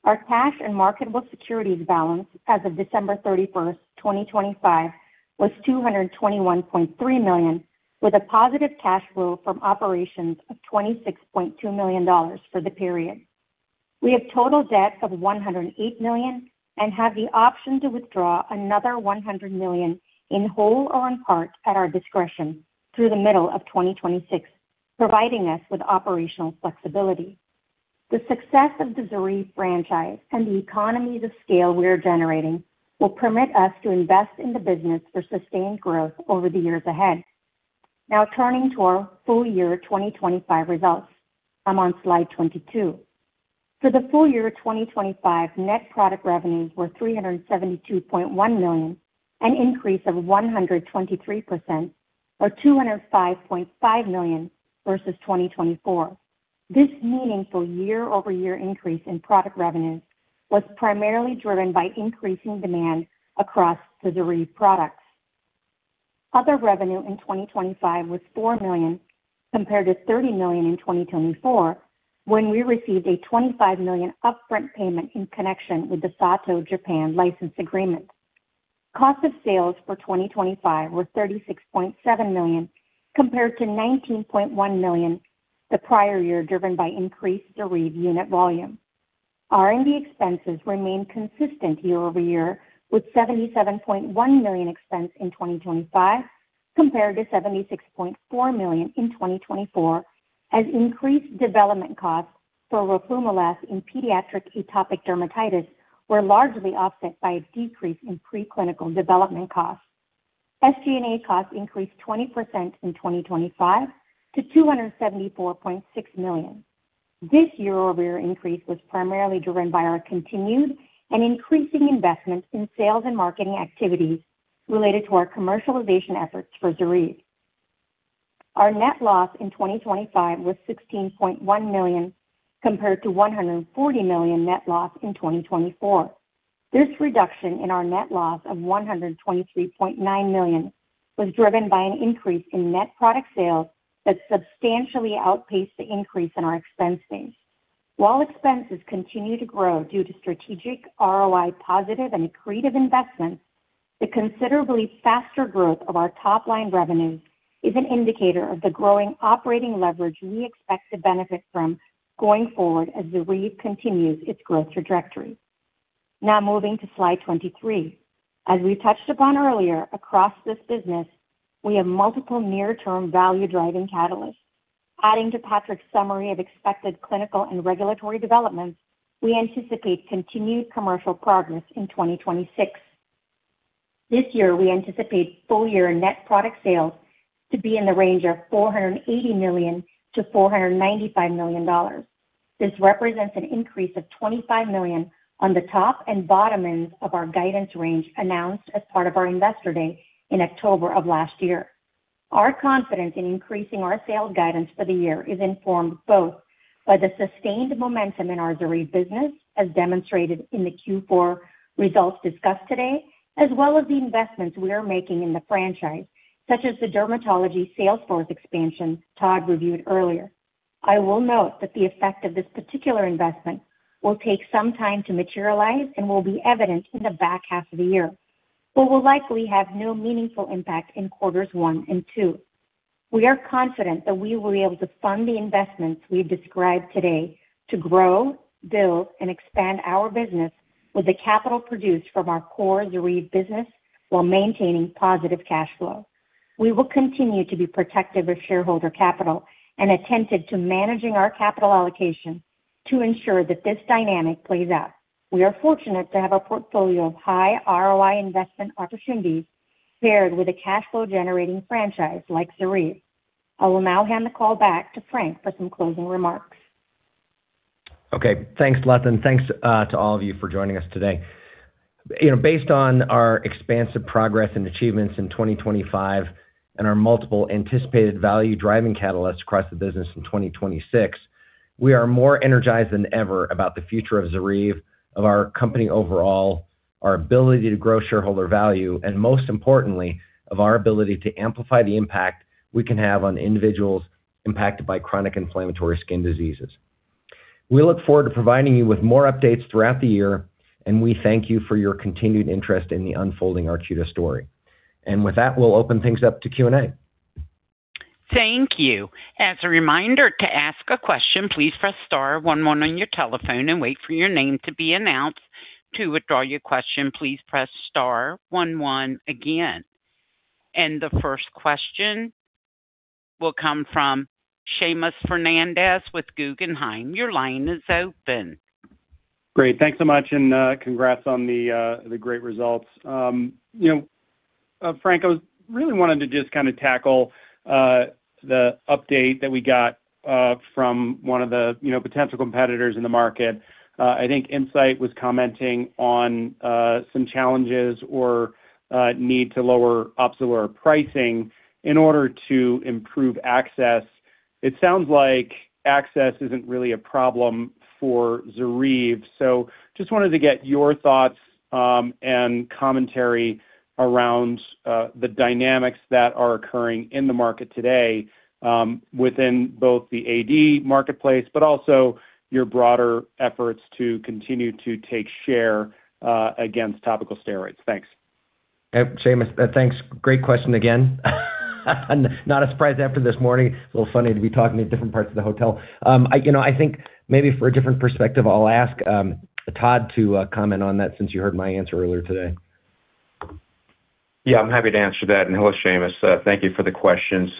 Our cash and marketable securities balance as of December 31st, 2025, was $221.3 million, with a positive cash flow from operations of $26.2 million for the period. We have total debt of $108 million and have the option to withdraw another $100 million in whole or in part at our discretion through the middle of 2026, providing us with operational flexibility. The success of the ZORYVE franchise and the economies of scale we are generating will permit us to invest in the business for sustained growth over the years ahead. Turning to our full-year 2025 results. I'm on slide 22. For the full-year 2025, net product revenues were $372.1 million, an increase of 123% or $205.5 million versus 2024. This meaningful year-over-year increase in product revenues was primarily driven by increasing demand across the ZORYVE products. Other revenue in 2025 was $4 million, compared to $30 million in 2024, when we received a $25 million upfront payment in connection with the Sato Japan license agreement. Cost of sales for 2025 were $36.7 million, compared to $19.1 million the prior year, driven by increased ZORYVE unit volume. R&D expenses remained consistent year-over-year, with $77.1 million expense in 2025, compared to $76.4 million in 2024, as increased development costs for roflumilast in pediatric atopic dermatitis were largely offset by a decrease in preclinical development costs. SG&A costs increased 20% in 2025 to $274.6 million. This year-over-year increase was primarily driven by our continued and increasing investments in sales and marketing activities related to our commercialization efforts for ZORYVE. Our net loss in 2025 was $16.1 million, compared to $140 million net loss in 2024. This reduction in our net loss of $123.9 million was driven by an increase in net product sales that substantially outpaced the increase in our expenses. While expenses continue to grow due to strategic ROI positive and accretive investments, the considerably faster growth of our top-line revenues is an indicator of the growing operating leverage we expect to benefit from going forward as ZORYVE continues its growth trajectory. Now moving to slide 23. As we touched upon earlier, across this business, we have multiple near-term value-driving catalysts. Adding to Patrick's summary of expected clinical and regulatory developments, we anticipate continued commercial progress in 2026. This year, we anticipate full-year net product sales to be in the range of $480 million-$495 million. This represents an increase of $25 million on the top and bottom ends of our guidance range, announced as part of our Investor Day in October of last year. Our confidence in increasing our sales guidance for the year is informed both by the sustained momentum in our ZORYVE business, as demonstrated in the Q4 results discussed today, as well as the investments we are making in the franchise, such as the dermatology salesforce expansion Todd reviewed earlier. I will note that the effect of this particular investment will take some time to materialize and will be evident in the back half of the year, will likely have no meaningful impact in quarters one and two. We are confident that we will be able to fund the investments we've described today to grow, build, and expand our business with the capital produced from our core ZORYVE business while maintaining positive cash flow. We will continue to be protective of shareholder capital and attentive to managing our capital allocation to ensure that this dynamic plays out. We are fortunate to have a portfolio of high ROI investment opportunities paired with a cash flow-generating franchise like ZORYVE. I will now hand the call back to Frank for some closing remarks. Okay, thanks, Lata. Thanks to all of you for joining us today. You know, based on our expansive progress and achievements in 2025 and our multiple anticipated value-driving catalysts across the business in 2026, we are more energized than ever about the future of ZORYVE, of our company overall, our ability to grow shareholder value, and most importantly, of our ability to amplify the impact we can have on individuals impacted by chronic inflammatory skin diseases. We look forward to providing you with more updates throughout the year, and we thank you for your continued interest in the unfolding Arcutis story. With that, we'll open things up to Q&A. Thank you. As a reminder, to ask a question, please press star one one on your telephone and wait for your name to be announced. To withdraw your question, please press star one one again. The first question will come from Seamus Fernandez with Guggenheim. Your line is open. Great. Thanks so much, congrats on the great results. You know, Frank, really wanted to just kind of tackle the update that we got from one of the, you know, potential competitors in the market. I think Incyte was commenting on some challenges or need to lower Opzelura pricing in order to improve access. It sounds like access isn't really a problem for ZORYVE, just wanted to get your thoughts and commentary around the dynamics that are occurring in the market today within both the AD marketplace, but also your broader efforts to continue to take share against topical steroids. Thanks. Seamus, thanks. Great question again. Not a surprise after this morning. It's a little funny to be talking in different parts of the hotel. I, you know, I think maybe for a different perspective, I'll ask Todd to comment on that since you heard my answer earlier today. Yeah, I'm happy to answer that. Hello, Seamus, thank you for the question.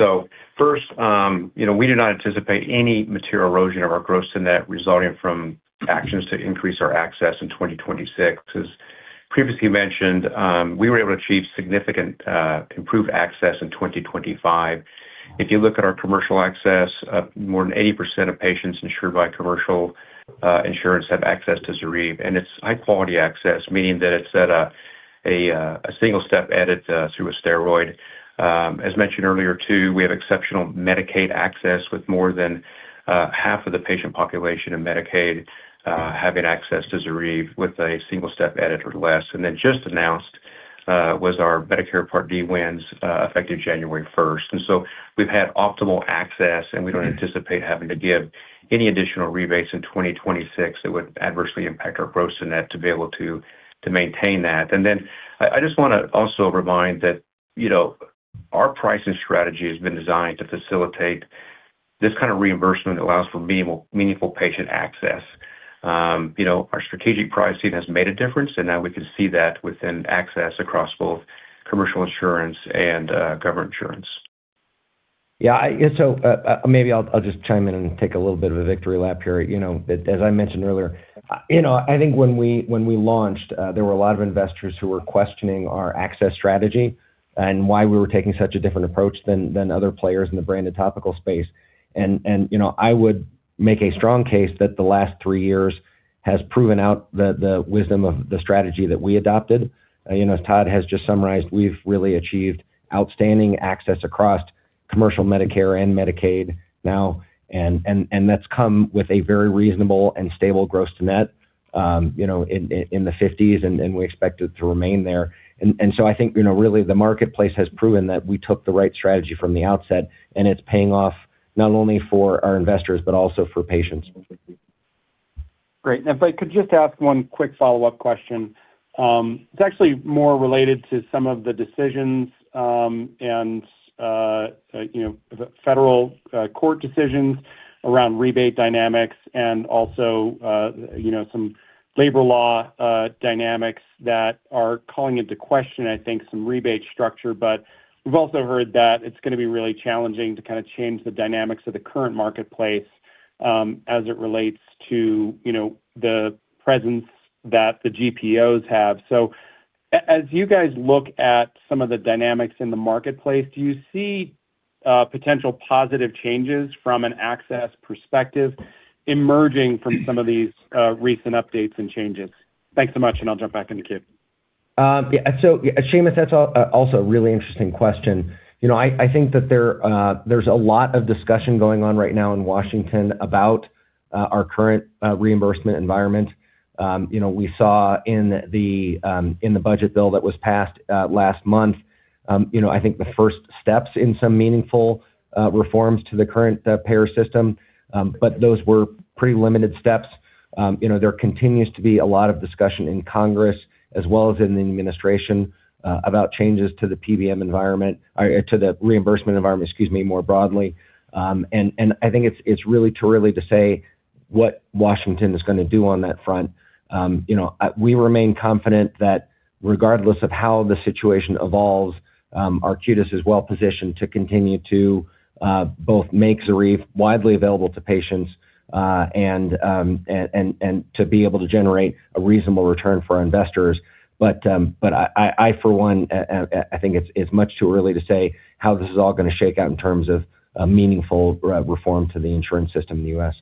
First, you know, we do not anticipate any material erosion of our gross net resulting from actions to increase our access in 2026. As previously mentioned, we were able to achieve significant improved access in 2025. If you look at our commercial access, more than 80% of patients insured by commercial insurance have access to ZORYVE, and it's high-quality access, meaning that it's at a single step edit through a steroid. As mentioned earlier, too, we have exceptional Medicaid access, with more than half of the patient population in Medicaid having access to ZORYVE with a single step edit or less. Then just announced was our Medicare Part D wins effective January first. We've had optimal access, and we don't anticipate having to give any additional rebates in 2026 that would adversely impact our gross to net to be able to maintain that. I just want to also remind that, you know, our pricing strategy has been designed to facilitate this kind of reimbursement that allows for meaningful patient access. You know, our strategic pricing has made a difference, and now we can see that within access across both commercial insurance and government insurance. Yeah, I, so, maybe I'll just chime in and take a little bit of a victory lap here. You know, as I mentioned earlier, you know, I think when we launched, there were a lot of investors who were questioning our access strategy and why we were taking such a different approach than other players in the branded topical space. You know, I would make a strong case that the last three years has proven out the wisdom of the strategy that we adopted. You know, as Todd has just summarized, we've really achieved outstanding access across commercial Medicare and Medicaid now, and that's come with a very reasonable and stable gross to net, you know, in the 50s, and we expect it to remain there. I think, you know, really the marketplace has proven that we took the right strategy from the outset, and it's paying off not only for our investors but also for patients. Great. If I could just ask one quick follow-up question. It's actually more related to some of the decisions, and, you know, federal court decisions around rebate dynamics and also, you know, some labor law dynamics that are calling into question, I think, some rebate structure. We've also heard that it's gonna be really challenging to kind of change the dynamics of the current marketplace, as it relates to, you know, the presence that the GPOs have. As you guys look at some of the dynamics in the marketplace, do you see...... potential positive changes from an access perspective emerging from some of these, recent updates and changes? Thanks so much. I'll jump back into queue. Yeah. Seamus, that's also a really interesting question. You know, I think that there's a lot of discussion going on right now in Washington about our current reimbursement environment. You know, we saw in the budget bill that was passed last month, you know, I think the first steps in some meaningful reforms to the current payer system. Those were pretty limited steps. You know, there continues to be a lot of discussion in Congress, as well as in the administration about changes to the PBM environment or to the reimbursement environment, excuse me, more broadly. I think it's really too early to say what Washington is gonna do on that front. You know, we remain confident that regardless of how the situation evolves, Arcutis is well positioned to continue to both make ZORYVE widely available to patients, and to be able to generate a reasonable return for our investors. I, for one, I think it's much too early to say how this is all gonna shake out in terms of a meaningful reform to the insurance system in the U.S.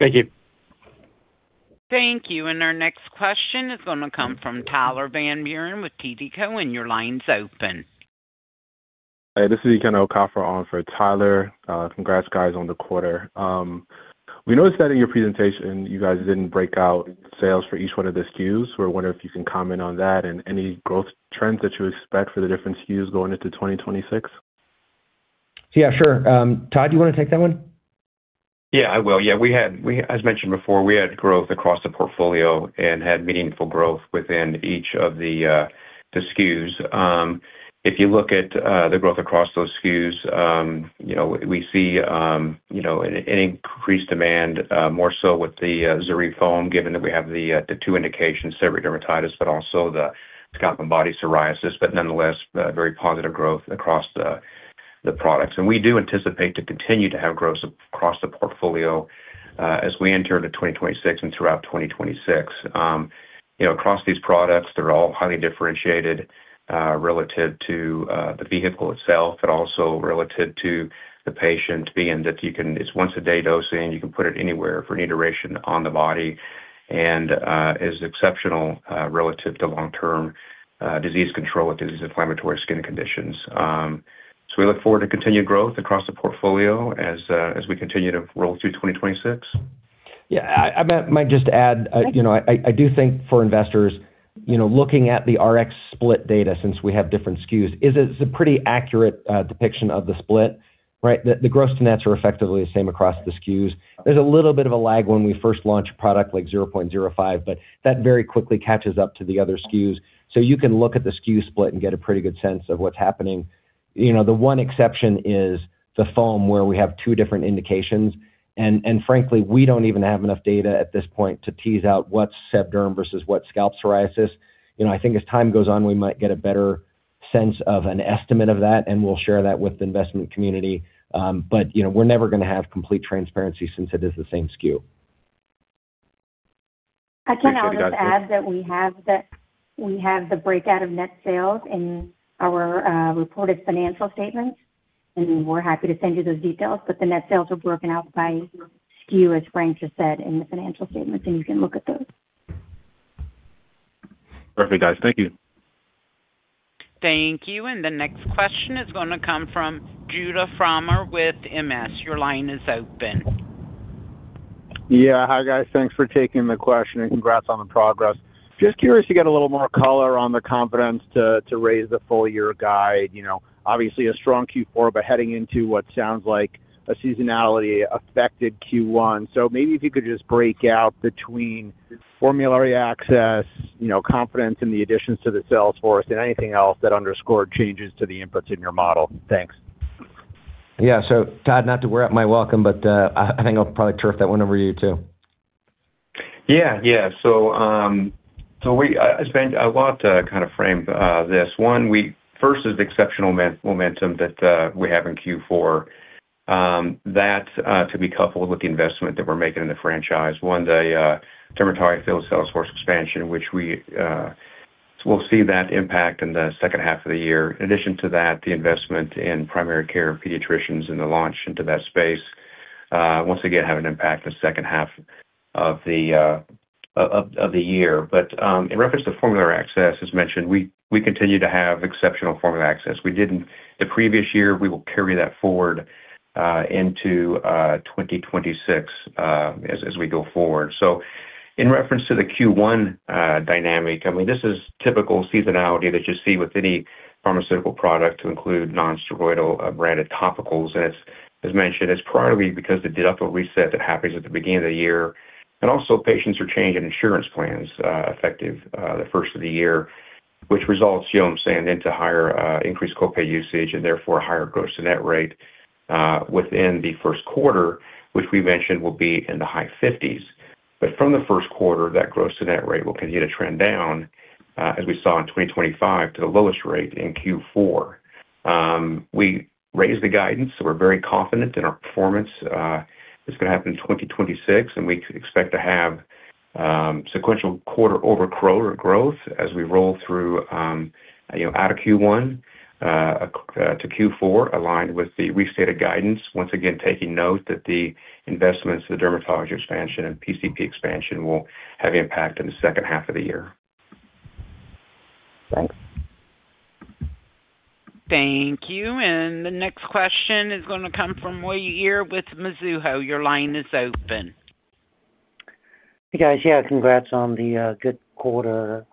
Thank you. Thank you. Our next question is going to come from Tyler Van Buren with TD Cowen. Your line's open. Hi, this is Ikenna Okafor on for Tyler. Congrats, guys, on the quarter. We noticed that in your presentation, you guys didn't break out sales for each one of the SKUs. We're wondering if you can comment on that and any growth trends that you expect for the different SKUs going into 2026. Yeah, sure. Todd, you wanna take that one? I will. As mentioned before, we had growth across the portfolio and had meaningful growth within each of the SKUs. If you look at the growth across those SKUs, you know, we see, you know, an increased demand, more so with the ZORYVE foam, given that we have the two indications, seborrheic dermatitis, but also the scalp and body psoriasis, but nonetheless, very positive growth across the products. We do anticipate to continue to have growth across the portfolio as we enter into 2026 and throughout 2026. You know, across these products, they're all highly differentiated relative to the vehicle itself, but also relative to the patient, being that you can... It's once a day dosing, you can put it anywhere for any duration on the body, and is exceptional relative to long-term disease control with these inflammatory skin conditions. We look forward to continued growth across the portfolio as we continue to roll through 2026. Yeah, I might just add, you know, I do think for investors, you know, looking at the RX split data since we have different SKUs, is a pretty accurate depiction of the split, right? The gross nets are effectively the same across the SKUs. There's a little bit of a lag when we first launch a product like 0.05, but that very quickly catches up to the other SKUs. You can look at the SKU split and get a pretty good sense of what's happening. You know, the one exception is the foam, where we have two different indications, and frankly, we don't even have enough data at this point to tease out what's sebderm versus what scalp psoriasis. You know, I think as time goes on, we might get a better sense of an estimate of that, and we'll share that with the investment community. You know, we're never gonna have complete transparency since it is the same SKU. Thank you, guys. I can also just add that we have the breakout of net sales in our reported financial statements, and we're happy to send you those details. The net sales are broken out by SKU, as Frank just said, in the financial statements, and you can look at those. Perfect, guys. Thank you. Thank you. The next question is gonna come from Judah Frommer with MS. Your line is open. Yeah. Hi, guys. Thanks for taking the question, and congrats on the progress. Just curious to get a little more color on the confidence to raise the full-year guide. You know, obviously a strong Q4, but heading into what sounds like a seasonality-affected Q1. Maybe if you could just break out between formulary access, you know, confidence in the additions to the sales force, and anything else that underscored changes to the inputs in your model. Thanks. Yeah. Todd, not to wear out my welcome, but, I think I'll probably turf that one over you, too. I want to kinda frame this. One, first is the exceptional momentum that we have in Q4. That to be coupled with the investment that we're making in the franchise. One, the dermatology field sales force expansion, which we'll see that impact in the second half of the year. In addition to that, the investment in primary care pediatricians and the launch into that space, once again, have an impact in the second half of the year. In reference to formulary access, as mentioned, we continue to have exceptional formulary access. We did in the previous year, we will carry that forward into 2026 as we go forward. In reference to the Q1 dynamic, I mean, this is typical seasonality that you see with any pharmaceutical product to include nonsteroidal branded topicals. It's, as mentioned, it's primarily because of the deductible reset that happens at the beginning of the year, and also patients are changing insurance plans effective the first of the year, which results, you know, saying into higher increased copay usage and therefore higher gross to net rate within the first quarter, which we mentioned will be in the high 50s. From the 1st quarter, that gross to net rate will continue to trend down, as we saw in 2025, to the lowest rate in Q4. We raised the guidance, so we're very confident in our performance, is going to happen in 2026, and we expect to have sequential quarter-over-quarter growth as we roll through, you know, out of Q1 to Q4, aligned with the restated guidance. Once again, taking note that the investments in the dermatology expansion and PCP expansion will have impact in the second half of the year. Thanks. Thank you. The next question is going to come from Uy Ear with Mizuho. Your line is open. Hey, guys. Yeah, congrats on the good quarter.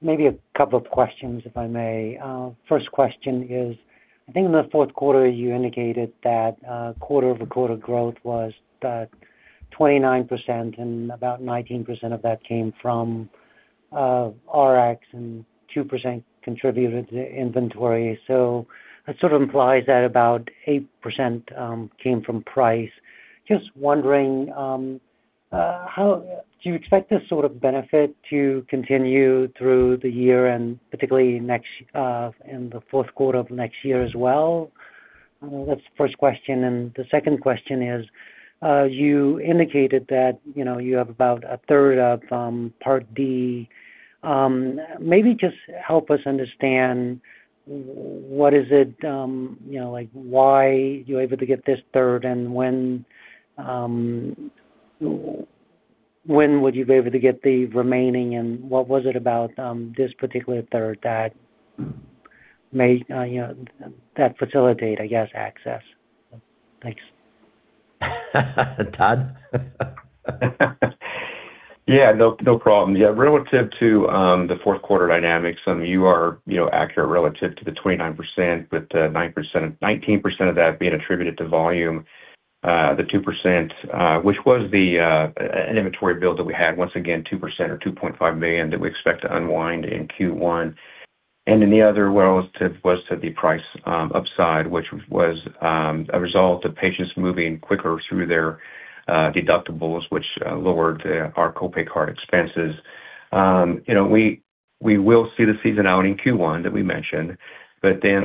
Maybe a couple of questions, if I may. First question is, I think in the fourth quarter, you indicated that quarter-over-quarter growth was 29%, and about 19% of that came from Rx and 2% contributed to inventory. That sort of implies that about 8% came from price. Just wondering how do you expect this sort of benefit to continue through the year and particularly next in the fourth quarter of next year as well? That's the first question. The second question is, you indicated that, you know, you have about a third of Part D. Maybe just help us understand, what is it, you know, like, why you're able to get this third, and when would you be able to get the remaining, and what was it about, this particular third that made, you know, that facilitate, I guess, access? Thanks. Todd? Yeah, no problem. Yeah, relative to the fourth quarter dynamics, you are, you know, accurate relative to the 29%, with 9%, 19% of that being attributed to volume. The 2%, which was the inventory build that we had, once again, 2% or $2.5 million, that we expect to unwind in Q1. The other relative was to the price upside, which was a result of patients moving quicker through their deductibles, which lowered our co-pay card expenses. You know, we will see the season out in Q1 that we mentioned,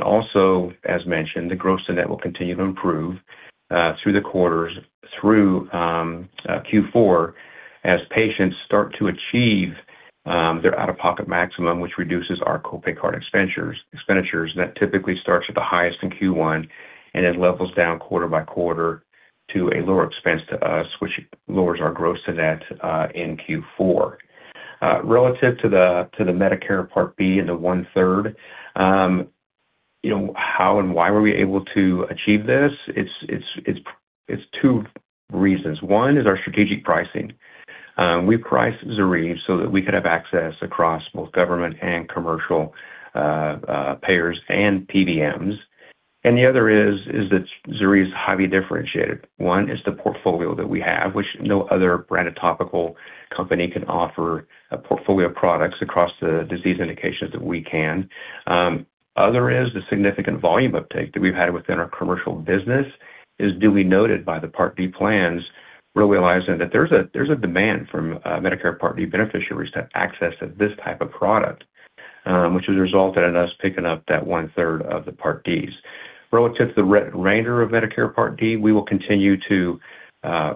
also, as mentioned, the gross to net will continue to improve through the quarters, through Q4, as patients start to achieve their out-of-pocket maximum, which reduces our co-pay card expenditures. That typically starts at the highest in Q1 and then levels down quarter-by-quarter to a lower expense to us, which lowers our gross to net in Q4. Relative to the Medicare Part D and the one-third, you know, how and why were we able to achieve this? It's two reasons. One is our strategic pricing. We priced ZORYVE so that we could have access across both government and commercial payers and PBMs. The other is that ZORYVE is highly differentiated. One is the portfolio that we have, which no other branded topical company can offer a portfolio of products across the disease indications that we can. Other is the significant volume uptake that we've had within our commercial business is duly noted by the Part D plans, realizing that there's a demand from Medicare Part D beneficiaries to have access to this type of product, which has resulted in us picking up that one-third of the Part Ds. Relative to the remainder of Medicare Part D, we will continue to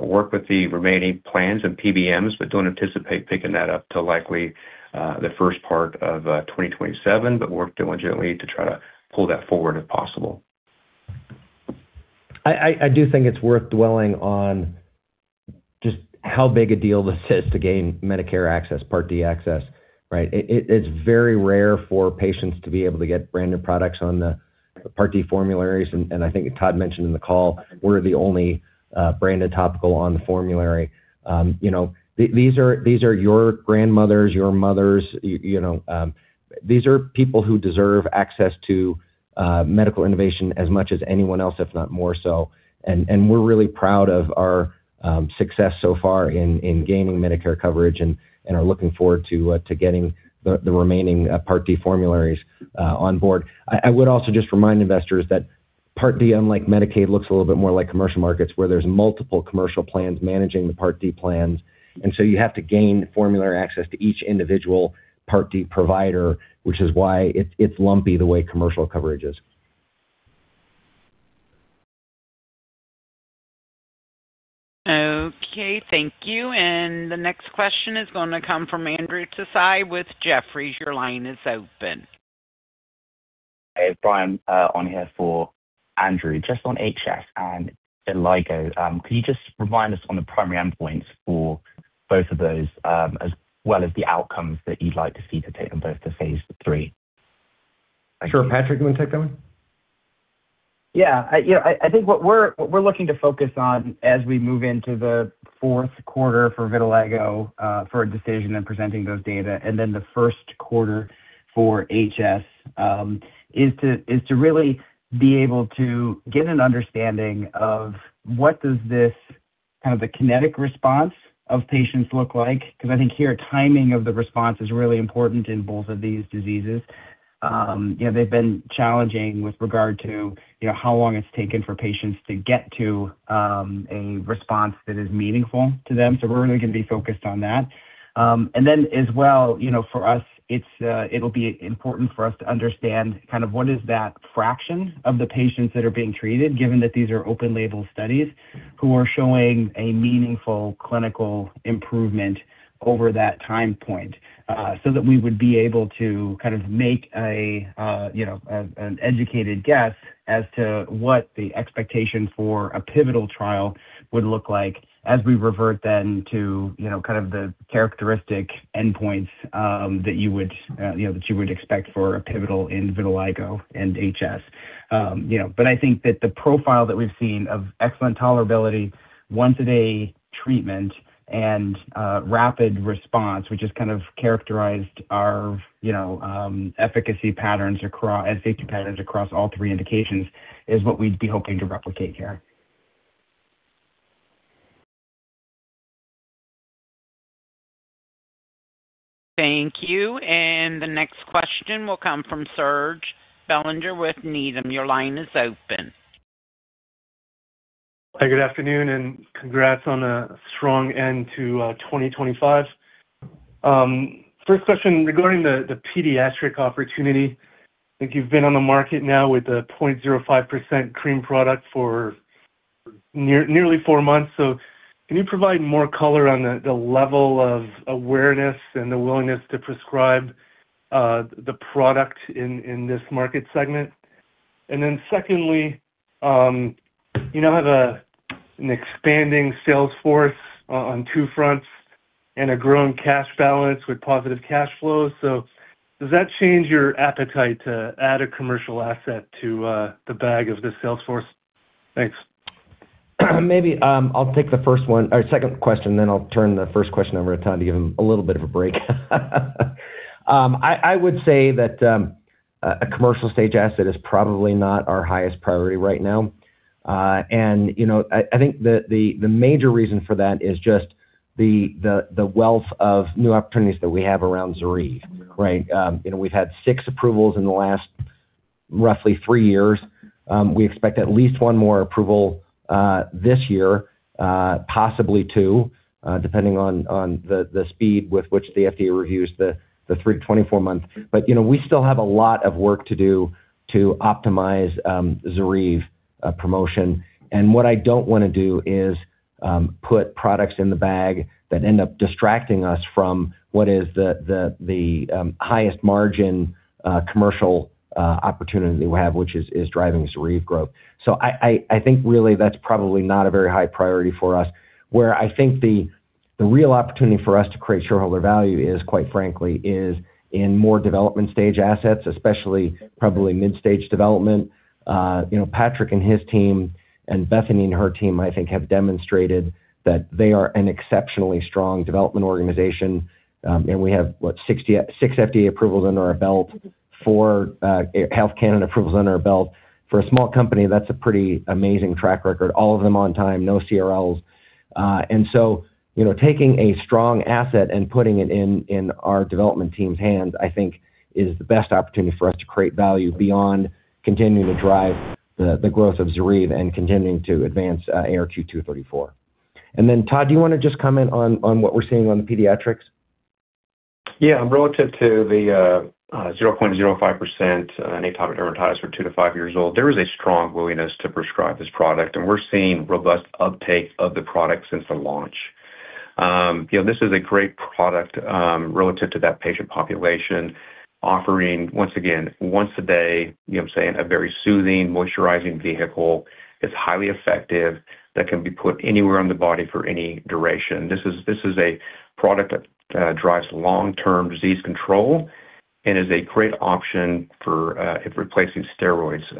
work with the remaining plans and PBMs, but don't anticipate picking that up till likely the first part of 2027. We're working diligently to try to pull that forward if possible. I do think it's worth dwelling on just how big a deal this is to gain Medicare Part D access, right? It's very rare for patients to be able to get branded products on the Part D formularies, and I think Todd mentioned in the call, we're the only branded topical on the formulary. You know, these are your grandmothers, your mothers, you know, these are people who deserve access to medical innovation as much as anyone else, if not more so. We're really proud of our success so far in gaining Medicare coverage and are looking forward to getting the remaining Part D formularies on board. I would also just remind investors that Part D, unlike Medicaid, looks a little bit more like commercial markets, where there's multiple commercial plans managing the Part D plans, and so you have to gain formulary access to each individual Part D provider, which is why it's lumpy the way commercial coverage is. Okay, thank you. The next question is going to come from Andrew Tsai with Jefferies. Your line is open. Hey, Brian, on here for Andrew. Just on HS and vitiligo, could you just remind us on the primary endpoints for both of those, as well as the outcomes that you'd like to see to take on both the Phase 3? Sure. Patrick, do you want to take that one? Yeah. I, you know, I think what we're looking to focus on as we move into the fourth quarter for vitiligo, for a decision and presenting those data, and then the first quarter for HS, is to really be able to get an understanding of what does this kind of the kinetic response of patients look like? I think here, timing of the response is really important in both of these diseases. ... you know, they've been challenging with regard to, you know, how long it's taken for patients to get to, a response that is meaningful to them. We're really going to be focused on that. As well, you know, for us, it's, it'll be important for us to understand kind of what is that fraction of the patients that are being treated, given that these are open label studies, who are showing a meaningful clinical improvement over that time point. That we would be able to kind of make a, you know, an educated guess as to what the expectation for a pivotal trial would look like as we revert then to, you know, kind of the characteristic endpoints, that you would, you know, that you would expect for a pivotal in vitiligo and HS. You know, I think that the profile that we've seen of excellent tolerability, once-a-day treatment, and rapid response, which has kind of characterized our, you know, efficacy patterns and safety patterns across all three indications, is what we'd be hoping to replicate here. Thank you. The next question will come from Serge Belanger with Needham. Your line is open. Hi, good afternoon, and congrats on a strong end to 2025. First question regarding the pediatric opportunity. I think you've been on the market now with a 0.05% cream product for nearly 4 months. Can you provide more color on the level of awareness and the willingness to prescribe the product in this market segment? Secondly, you now have an expanding sales force on 2 fronts and a growing cash balance with positive cash flows. Does that change your appetite to add a commercial asset to the bag of this sales force? Thanks. Maybe, I'll take the first one or second question, then I'll turn the first question over to Todd to give him a little bit of a break. I would say that a commercial stage asset is probably not our highest priority right now. You know, I think the major reason for that is just the wealth of new opportunities that we have around ZORYVE, right? You know, we've had six approvals in the last roughly three years. We expect at least one more approval this year, possibly two, depending on the speed with which the FDA reviews the three to 24 month. You know, we still have a lot of work to do to optimize ZORYVE promotion. What I don't want to do is put products in the bag that end up distracting us from what is the highest margin commercial opportunity we have, which is driving ZORYVE growth. I think really that's probably not a very high priority for us. Where I think the real opportunity for us to create shareholder value is, quite frankly, is in more development stage assets, especially probably mid-stage development. You know, Patrick and his team and Bethany and her team, I think, have demonstrated that they are an exceptionally strong development organization. We have, what? 66 FDA approvals under our belt for Health Canada approvals under our belt. For a small company, that's a pretty amazing track record. All of them on time, no CRLs. You know, taking a strong asset and putting it in our development team's hands, I think is the best opportunity for us to create value beyond continuing to drive the growth of ZORYVE and continuing to advance ARQ-234. Todd, do you want to just comment on what we're seeing on the pediatrics? Relative to the 0.05% atopic dermatitis for two to five years old, there is a strong willingness to prescribe this product, and we're seeing robust uptake of the product since the launch. You know, this is a great product, relative to that patient population, offering, once again, once a day, you know what I'm saying, a very soothing, moisturizing vehicle, that's highly effective, that can be put anywhere on the body for any duration. This is a product that drives long-term disease control and is a great option for replacing steroids.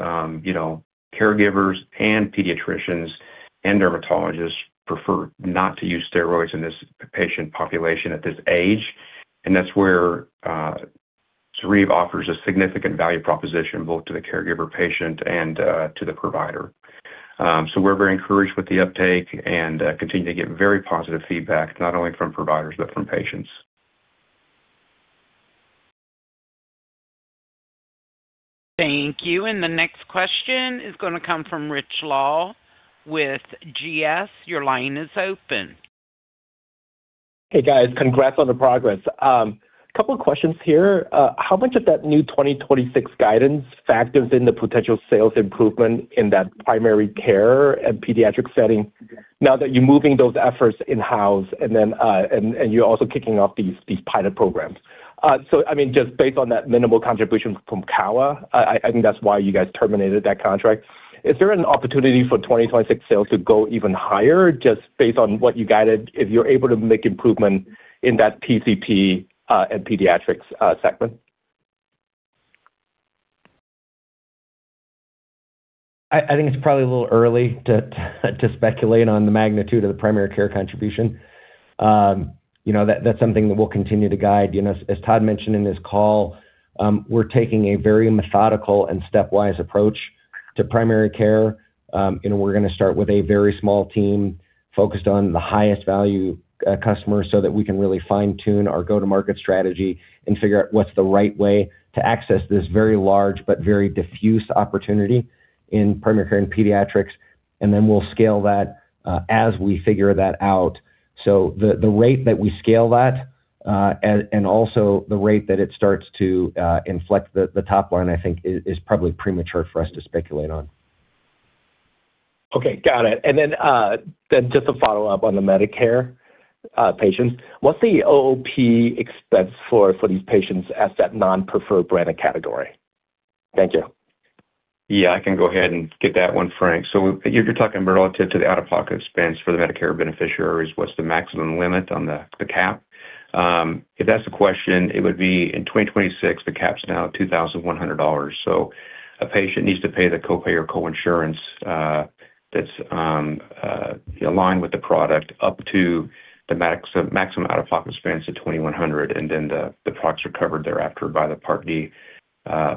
You know, caregivers and pediatricians and dermatologists prefer not to use steroids in this patient population at this age, and that's where ZORYVE offers a significant value proposition, both to the caregiver, patient, and to the provider. We're very encouraged with the uptake and continue to get very positive feedback, not only from providers, but from patients. Thank you. The next question is gonna come from Rich Law with GS. Your line is open. Hey, guys. Congrats on the progress. Couple of questions here. How much of that new 2026 guidance factors in the potential sales improvement in that primary care and pediatric setting now that you're moving those efforts in-house, and you're also kicking off these pilot programs? I mean, just based on that minimal contribution from Kowa, I think that's why you guys terminated that contract. Is there an opportunity for 2026 sales to go even higher, just based on what you guided, if you're able to make improvement in that PCP and pediatrics segment? I think it's probably a little early to speculate on the magnitude of the primary care contribution. You know, that's something that we'll continue to guide. You know, as Todd mentioned in this call, we're taking a very methodical and stepwise approach to primary care, and we're gonna start with a very small team focused on the highest value customers, so that we can really fine-tune our go-to-market strategy and figure out what's the right way to access this very large but very diffuse opportunity in primary care and pediatrics. Then we'll scale that as we figure that out. The rate that we scale that and also the rate that it starts to inflect the top line, I think is probably premature for us to speculate on. Okay, got it. Then just to follow up on the Medicare patients, what's the OOP expense for these patients as that non-preferred brand and category? Thank you. Yeah, I can go ahead and get that one, Frank. You're talking relative to the out-of-pocket expense for the Medicare beneficiaries. What's the maximum limit on the cap? If that's the question, it would be in 2026, the cap's now $2,100. A patient needs to pay the copay or coinsurance that's aligned with the product, up to the maximum out-of-pocket expense of $2,100, and then the products are covered thereafter by the Part D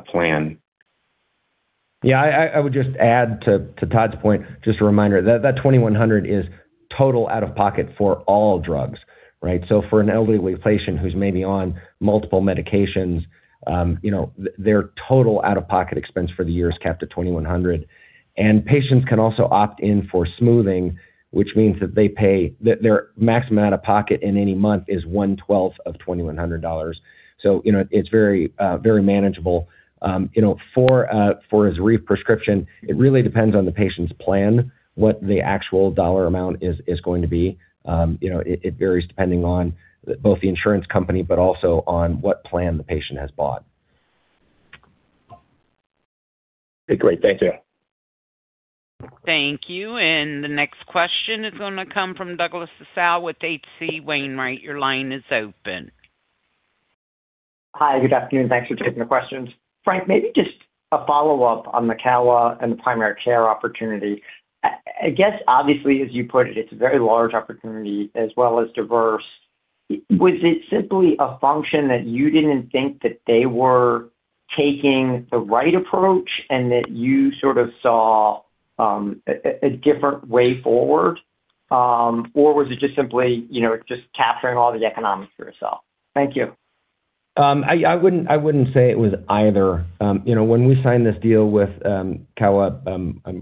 plan. I would just add to Todd's point, just a reminder, that 2,100 is total out-of-pocket for all drugs, right? For an elderly patient who's maybe on multiple medications, you know, their total out-of-pocket expense for the year is capped at 2,100. Patients can also opt in for smoothing, which means that their maximum out-of-pocket in any month is one-twelfth of $2,100. You know, it's very, very manageable. You know, for a ZORYVE prescription, it really depends on the patient's plan, what the actual dollar amount is going to be. You know, it varies depending on both the insurance company, but also on what plan the patient has bought. Okay, great. Thank you. Thank you. The next question is gonna come from Douglas Tsao with H.C. Wainwright. Your line is open. Hi, good afternoon, thanks for taking the questions. Frank, maybe just a follow-up on the Kowa and the primary care opportunity. I guess, obviously, as you put it's a very large opportunity as well as diverse. Was it simply a function that you didn't think that they were taking the right approach and that you sort of saw a different way forward? Was it just simply, you know, just capturing all the economics for yourself? Thank you. I wouldn't say it was either. You know, when we signed this deal with Kowa,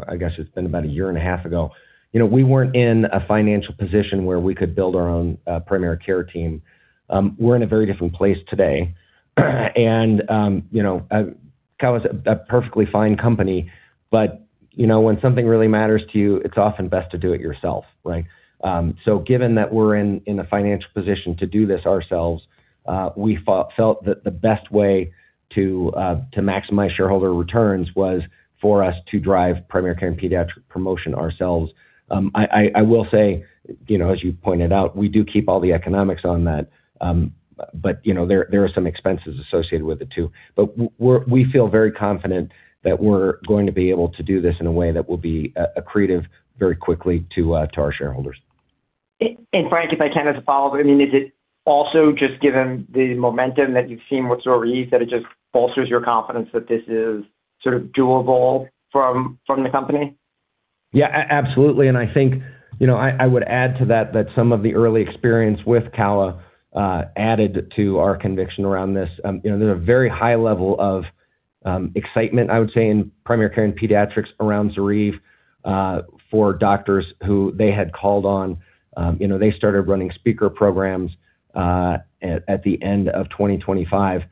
I guess it's been about a year and a half ago, you know, we weren't in a financial position where we could build our own primary care team. We're in a very different place today. You know, Kowa's a perfectly fine company, but, you know, when something really matters to you, it's often best to do it yourself, right? Given that we're in a financial position to do this ourselves, we felt that the best way to maximize shareholder returns was for us to drive primary care and pediatric promotion ourselves. I will say, you know, as you pointed out, we do keep all the economics on that. You know, there are some expenses associated with it, too. We feel very confident that we're going to be able to do this in a way that will be accretive very quickly to our shareholders. Frank, if I can, as a follow-up, I mean, is it also just given the momentum that you've seen with ZORYVE, that it just bolsters your confidence that this is sort of doable from the company? Yeah, absolutely, and I think, you know, I would add to that some of the early experience with Kowa added to our conviction around this. You know, there's a very high level of excitement, I would say, in primary care and pediatrics around ZORYVE for doctors who they had called on. You know, they started running speaker programs at the end of 2025.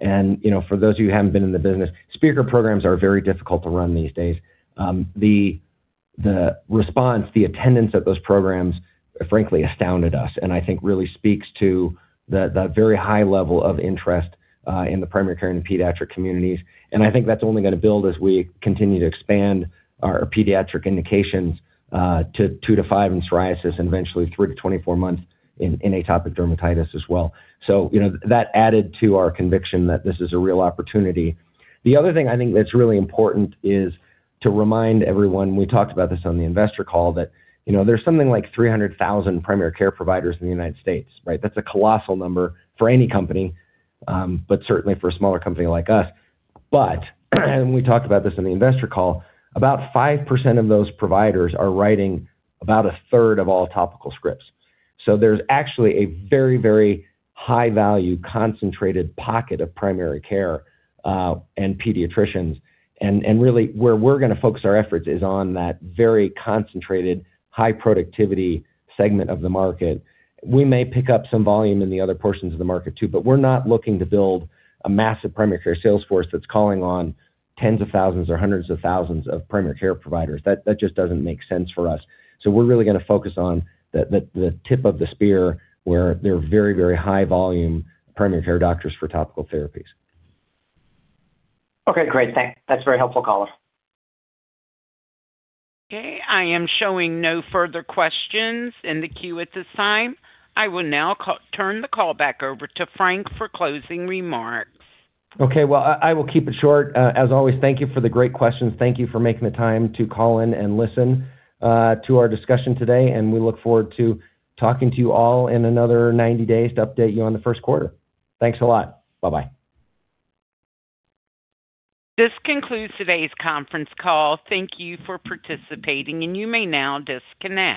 You know, for those of you who haven't been in the business, speaker programs are very difficult to run these days. The response, the attendance at those programs, frankly, astounded us and I think really speaks to the very high level of interest in the primary care and pediatric communities. I think that's only gonna build as we continue to expand our pediatric indications, to 2-5 in psoriasis and eventually 3-24 months in atopic dermatitis as well. You know, that added to our conviction that this is a real opportunity. The other thing I think that's really important is to remind everyone, we talked about this on the investor call, that, you know, there's something like 300,000 primary care providers in the United States, right? That's a colossal number for any company, but certainly for a smaller company like us. We talked about this in the investor call, about 5% of those providers are writing about a third of all topical scripts. There's actually a very, very high-value, concentrated pocket of primary care and pediatricians. Really, where we're gonna focus our efforts is on that very concentrated, high-productivity segment of the market. We may pick up some volume in the other portions of the market, too, but we're not looking to build a massive primary care sales force that's calling on tens of thousands or hundreds of thousands of primary care providers. That just doesn't make sense for us. We're really gonna focus on the tip of the spear, where there are very, very high volume primary care doctors for topical therapies. Okay, great. That's a very helpful call. Okay, I am showing no further questions in the queue at this time. I will now turn the call back over to Frank for closing remarks. Okay, well, I will keep it short. As always, thank you for the great questions. Thank you for making the time to call in and listen to our discussion today. We look forward to talking to you all in another 90 days to update you on the first quarter. Thanks a lot. Bye-bye. This concludes today's conference call. Thank you for participating, and you may now disconnect.